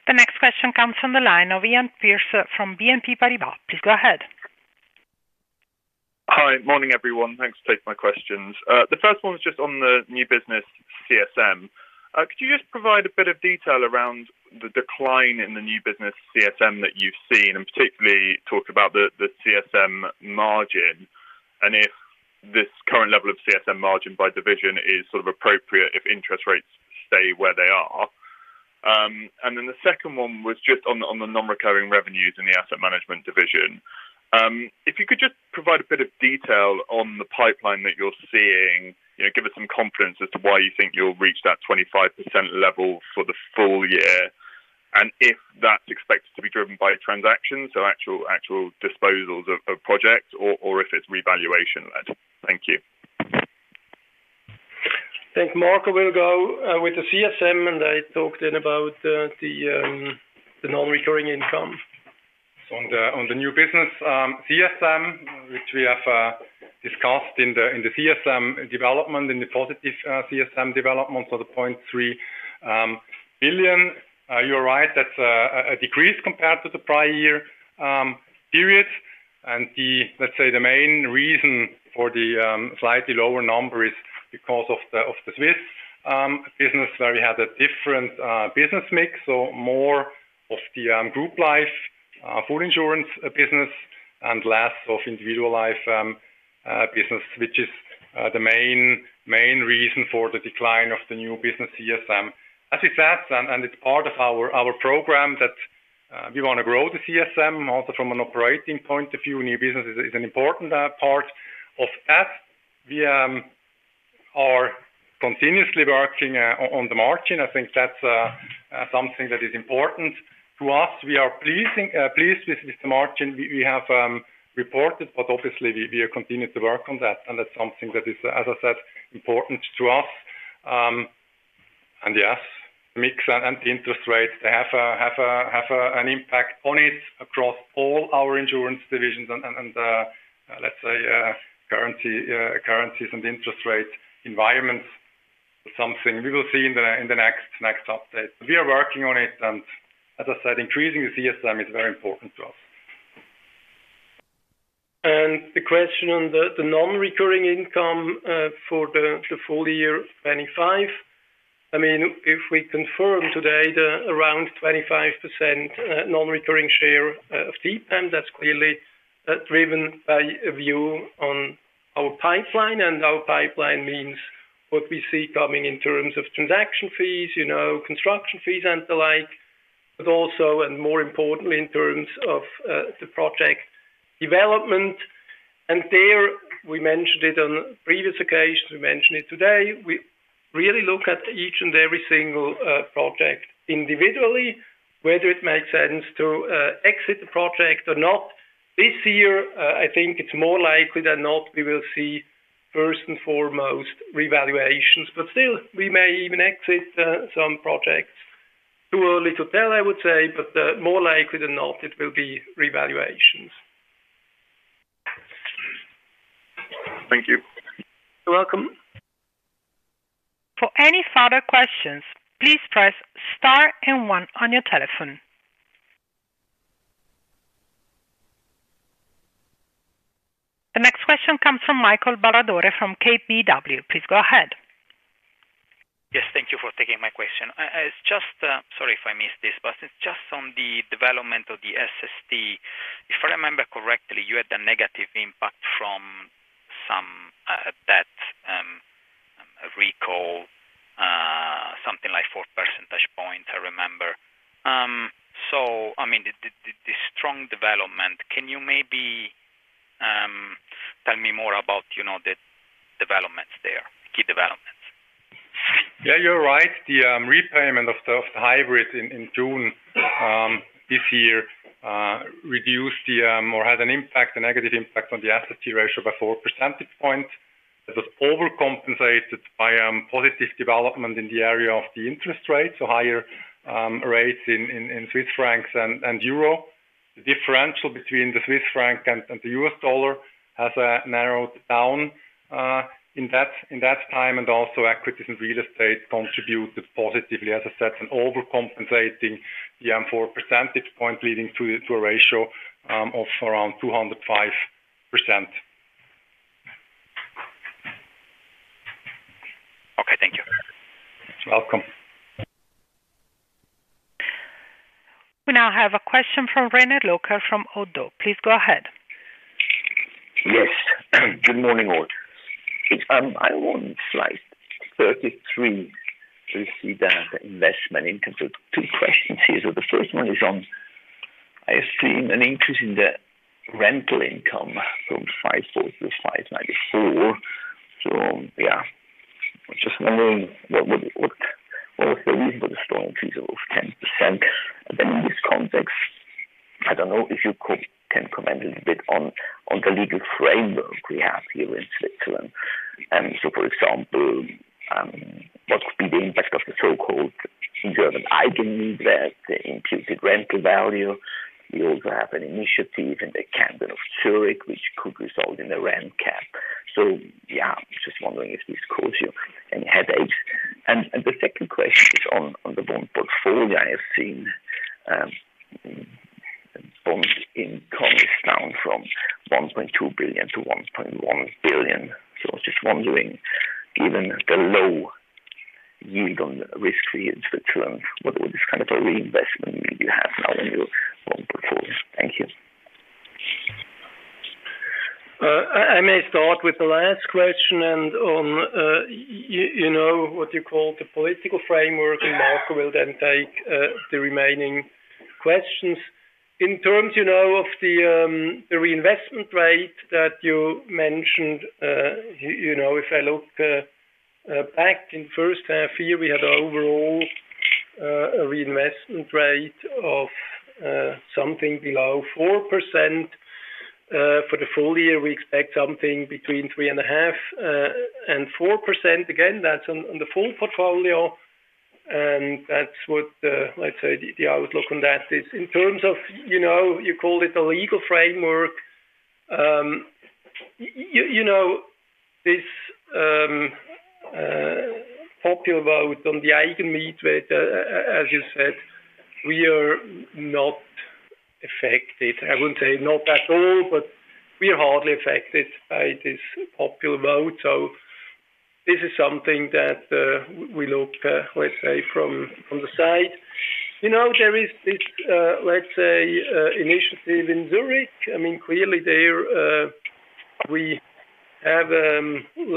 The next question comes from the line of Iain Pearce from BNP Paribas. Please go ahead. Hi, morning everyone. Thanks for taking my questions. The first one was just on the new business CSM. Could you just provide a bit of detail around the decline in the new business CSM that you've seen, and particularly talk about the CSM margin and if this current level of CSM margin by division is sort of appropriate if interest rates stay where they are? The second one was just on the non-recurring revenues in the asset management division. If you could just provide a bit of detail on the pipeline that you're seeing, give us some confidence as to why you think you'll reach that 25% level for the full year and if that's expected to be driven by transactions, so actual disposals of projects, or if it's revaluation led. Thank you. I think Marco will go with the CSM, and I talked about the non-recurring income. On the new business CSM, which we have discussed in the CSM development, in the positive CSM development of the 0.3 billion. You're right, that's a decrease compared to the prior year periods. The main reason for the slightly lower number is because of the Swiss business where we had a different business mix. More of the group life insurance business and less of individual life business, which is the main reason for the decline of the new business CSM. As we said, and it's part of our program that we want to grow the CSM also from an operating point of view. New business is an important part of that. We are continuously working on the margin. I think that's something that is important to us. We are pleased with this margin we have reported, but obviously, we continue to work on that. That's something that is, as I said, important to us. Yes, the mix and the interest rate, they have an impact on it across all our insurance divisions and, let's say, currencies and interest rate environments. It's something we will see in the next update. We are working on it. As I said, increasing the CSM is very important to us. The question on the non-recurring income for the full year 2025. If we confirm today around 25% non-recurring share of TPAM, that's clearly driven by a view on our pipeline. Our pipeline means what we see coming in terms of transaction fees, construction fees and the like, but also, and more importantly, in terms of the project development. We mentioned it on previous occasions. We mentioned it today. We really look at each and every single project individually, whether it makes sense to exit the project or not. This year, I think it's more likely than not we will see first and foremost revaluations. Still, we may even exit some projects. Too early to tell, I would say, but more likely than not, it will be revaluations. Thank you. You're welcome. For any further questions, please press star and one on your telephone. The next question comes from Michele Ballatore from KBW. Please go ahead. Yes, thank you for taking my question. I was just, sorry if I missed this, but it's just on the development of the SST. If I remember correctly, you had a negative impact from some debt, I recall, something like 4%. I remember. The strong development, can you maybe tell me more about the developments there, key developments? Yeah, you're right. The repayment of the hybrid in June this year reduced the, or had an impact, a negative impact on the SST ratio by 4 percentage points. It was overcompensated by positive development in the area of the interest rate, so higher rates in Swiss francs and euro. The differential between the Swiss franc and the U.S. dollar has narrowed down in that time, and also equities and real estate contributed positively, as I said, overcompensating the 4 percentage points, leading to a ratio of around 205%. Okay, thank you. You're welcome. We now have a question from René Locher from ODDO. Please go ahead. Yes, good morning all. I'm on slide 33 to see the investment in terms of two questions here. The first one is on, I assume, an increase in the rental income from [540 million - 594 million]. I'm just wondering what is the reason for the strong increase of 10%. In this context, I don't know if you can comment a little bit on the legal framework we have here in Switzerland. For example, what could be the impact of the so-called German Eigenmietwert, the imputed rental value? You also have an initiative in the cabinet of Zurich, which could result in a rent cap. I'm just wondering if this causes you any headaches. The second question is on the bond portfolio. I have seen bonds income is down from 1.2 billion to 1.1 billion. I'm just wondering, given the low yield on risk-free in Switzerland, what would this kind of a reinvestment mean you have now in your portfolio? Thank you. I may start with the last question, and on what you call the political framework, and Marco will then take the remaining questions. In terms of the reinvestment rate that you mentioned, if I look back in the first half year, we had an overall reinvestment rate of something below 4%. For the full year, we expect something between 3.5% and 4%. Again, that's on the full portfolio. That's what I'd say the outlook on that is. In terms of, you call it the legal framework, this popular vote on the eigenmietwert, as you said, we are not affected. I wouldn't say not at all, but we are hardly affected by this popular vote. This is something that we look, let's say, from the side. There is this initiative in Zurich. Clearly there, we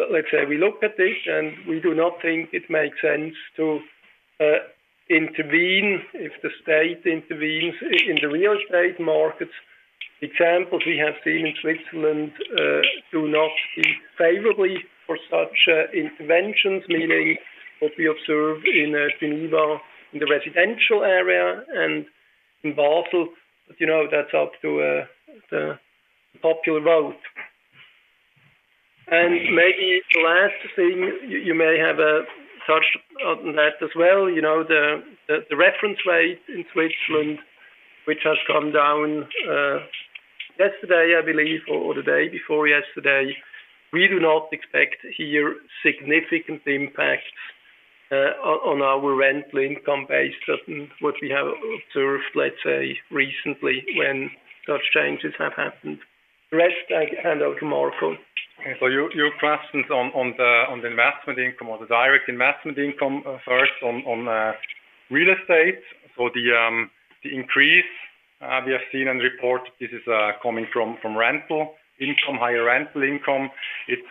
look at this, and we do not think it makes sense to intervene if the state intervenes in the real estate markets. Examples we have seen in Switzerland do not speak favorably for such interventions, meaning what we observe in Geneva in the residential area and in Basel. That's up to the popular vote. Maybe the last thing, you may have a thought on that as well. The reference rate in Switzerland, which has come down yesterday, I believe, or the day before yesterday, we do not expect here significant impacts on our rental income based on what we have observed recently when such changes have happened. The rest I hand over to Marco. Your questions on the investment income or the direct investment income, first on real estate. The increase we have seen and reported is coming from rental income, higher rental income. It's,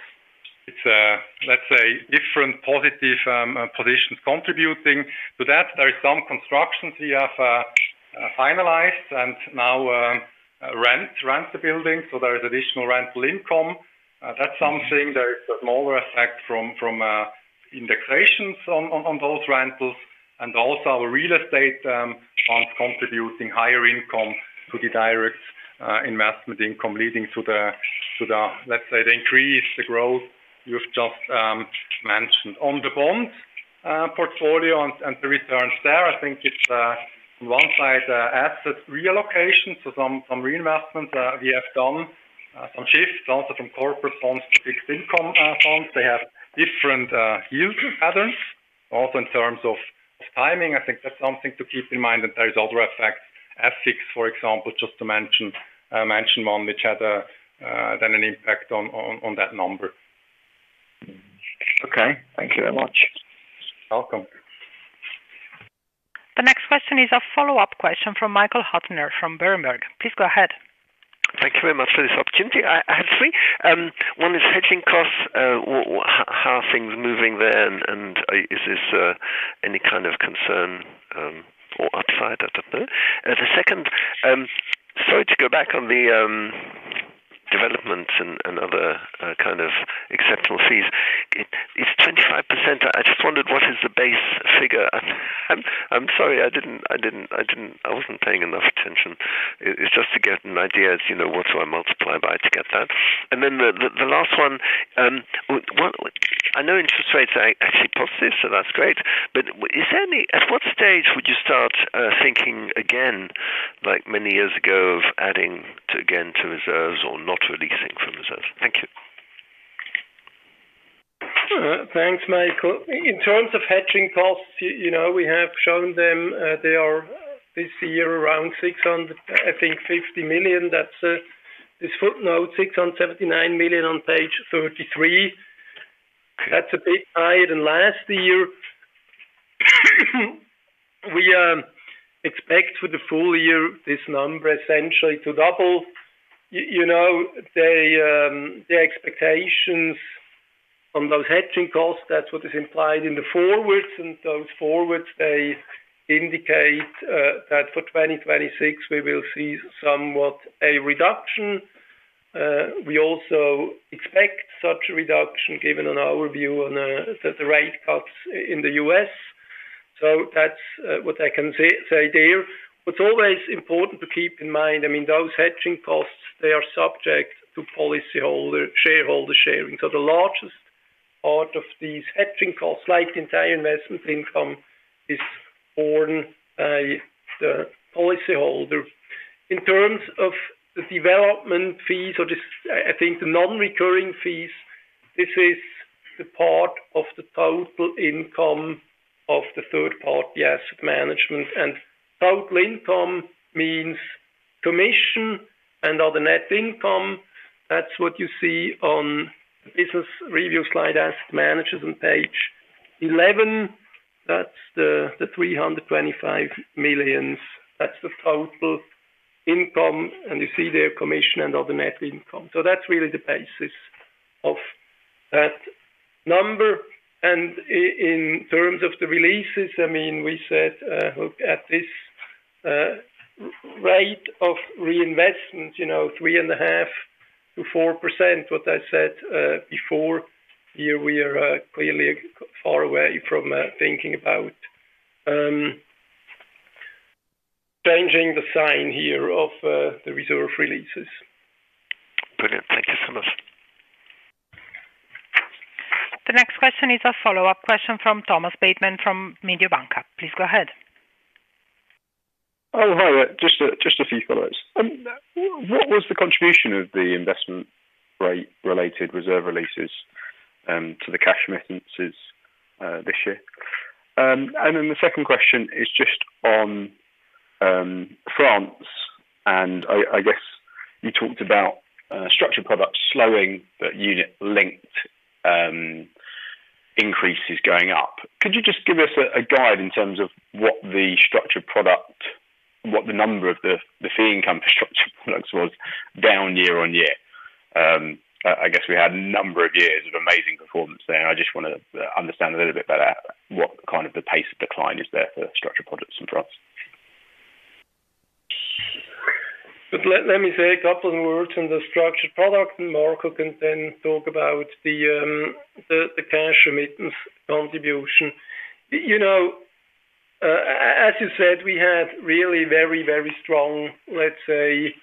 let's say, different positive positions contributing to that. There are some constructions we have finalized and now rent the building, so there is additional rental income. That's something. There is a smaller effect from indexations on those rentals, and also our real estate funds contributing higher income to the direct investment income, leading to the, let's say, the increase, the growth you've just mentioned. On the bond portfolio and the returns there, I think it's on one side asset reallocation. Some reinvestments we have done, some shifts also from corporate funds to fixed income funds. They have different yield patterns. Also in terms of timing, I think that's something to keep in mind. There are other effects, FX, for example, just to mention one, which had then an impact on that number. Okay, thank you very much. Welcome. The next question is a follow-up question from Michael Huttner from Berenberg. Please go ahead. Thank you very much for this opportunity. I have three. One is hedging costs. How are things moving there? Is this any kind of concern or upside? I don't know. The second, sorry to go back on the developments and other kind of exceptional fees. It's 25%. I wondered what is the base figure. I'm sorry, I wasn't paying enough attention. It's just to get an idea as you know what do I multiply by to get that. The last one, I know interest rates are actually positive, so that's great. Is there any, at what stage would you start thinking again, like many years ago, of adding again to reserves or not releasing from reserves? Thank you. Sure. Thanks, Michael. In terms of hedging costs, you know we have shown them, they are this year around 650 million. That's this footnote, 679 million on page 33. That's a bit higher than last year. We expect for the full year this number essentially to double. The expectations on those hedging costs, that's what is implied in the forwards. Those forwards indicate that for 2026, we will see somewhat a reduction. We also expect such a reduction given our view on the rate cuts in the U.S. That's what I can say there. What's always important to keep in mind, I mean, those hedging costs, they are subject to policyholder shareholder sharing. The largest part of these hedging costs, like the entire investment income, is borne by the policyholder. In terms of the development fees, or just I think the non-recurring fees, this is the part of the total income of the third-party asset management. Total income means commission and other net income. That's what you see on the business review slide asset managers on page 11. That's the 325 million. That's the total income. You see their commission and other net income. That's really the basis of that number. In terms of the releases, we said, look at this rate of reinvestment, 3.5% - 4%. What I said before, here we are clearly far away from thinking about changing the sign here of the reserve releases. Brilliant. Thank you so much. The next question is a follow-up question from Thomas Bateman from Mediobanca. Please go ahead. Oh, hi. Just a few follow-ups. What was the contribution of the investment rate-related reserve releases to the cash remittances this year? The second question is just on France. I guess you talked about structured products slowing but unit-linked increases going up. Could you just give us a guide in terms of what the structured product, what the number of the fee income for structured products was down year on year? I guess we had a number of years of amazing performance there. I just want to understand a little bit better what kind of the pace of decline is there for structured products in France. Let me say a couple of words on the structured product, and Marco can then talk about the cash remittance contribution. As you said, we had really very, very strong, let's say,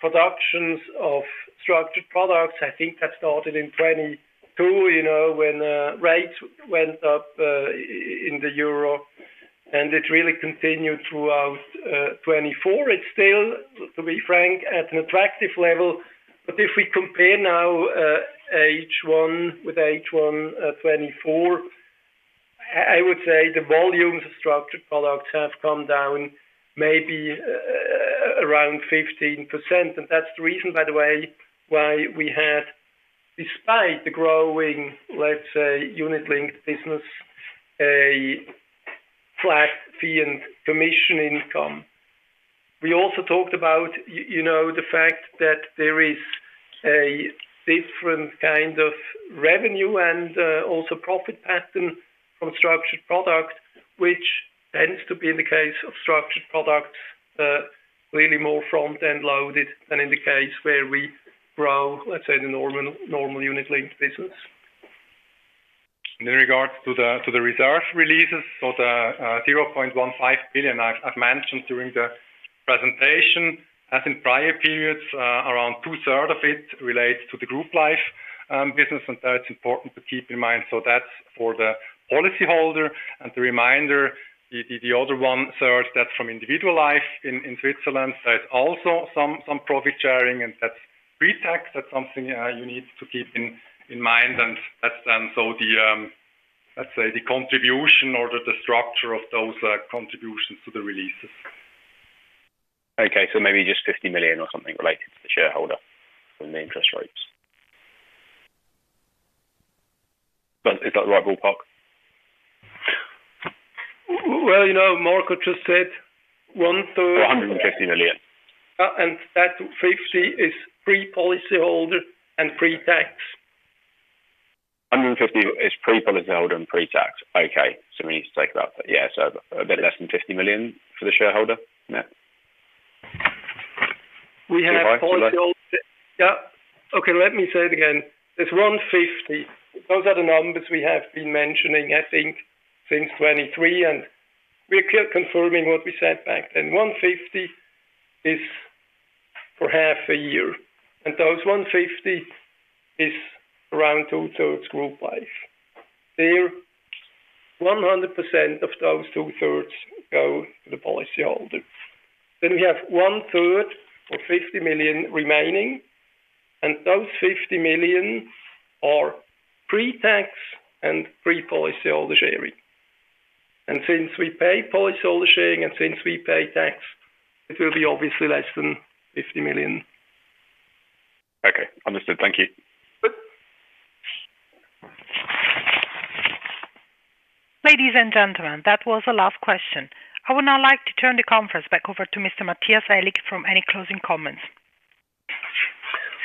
productions of structured products. I think that started in 2022, when the rates went up, in the euro. It really continued throughout 2024. It's still, to be frank, at an attractive level. If we compare now, H1 with H1 2024, I would say the volumes of structured products have come down maybe around 15%. That's the reason, by the way, why we had, despite the growing, let's say, unit-linked business, a flat fee and commission income. We also talked about the fact that there is a different kind of revenue and also profit pattern from structured product, which tends to be in the case of structured products, really more front-end loaded than in the case where we grow, let's say, the normal unit-linked business. In regards to the reserve releases, the 0.15 billion I've mentioned during the presentation, as in prior periods, around 2/3 of it relates to the group life business. That's important to keep in mind. That's for the policyholder. The remainder, the other 1/3, is from individual life in Switzerland. There's also some profit sharing, and that's pre-tax. That's something you need to keep in mind. That's the contribution or the structure of those contributions to the releases. Maybe just 50 million or something related to the shareholder and the interest rates. Is that the right ballpark? Marco just said 1/3. 150 million. That 50 million is pre-policyholder and pre-tax. 150 million is pre-policyholder and pre-tax. Okay, we need to take it up. Yeah, a bit less than 50 million for the shareholder. Yeah. We have policyholder. Okay. Let me say it again. It's 150 million. Those are the numbers we have been mentioning, I think, since 2023. We're confirming what we said back then. 150 million is for half a year. Those 150 million is around 2/3 group life. Near, 100% of those 2/3 go to the policyholder. We have 1/3 or 50 million remaining. Those 50 million are pre-tax and pre-policyholder sharing. Since we pay policyholder sharing and since we pay tax, it will be obviously less than 50 million. Okay, understood. Thank you. Ladies and gentlemen, that was the last question. I would now like to turn the conference back over to Mr. Matthias Aellig for any closing comments.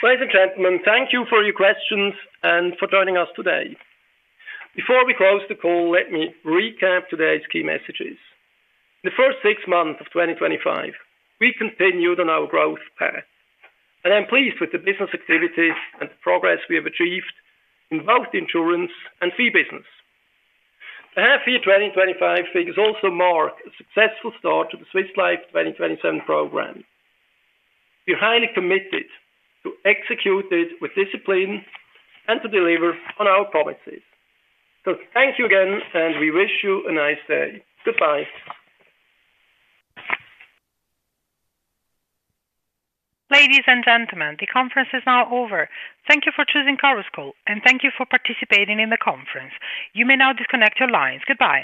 Ladies and gentlemen, thank you for your questions and for joining us today. Before we close the call, let me recap today's key messages. In the first six months of 2025, we continued on our growth path. I'm pleased with the business activities and the progress we have achieved in both the insurance and fee business. The Half Year 2025 figures also mark a successful start to the Swiss Life 2027 program. We are highly committed to execute it with discipline and to deliver on our promises. Thank you again, and we wish you a nice day. Goodbye. Ladies and gentlemen, the conference is now over. Thank you for choosing [Carusco], and thank you for participating in the conference. You may now disconnect your lines. Goodbye.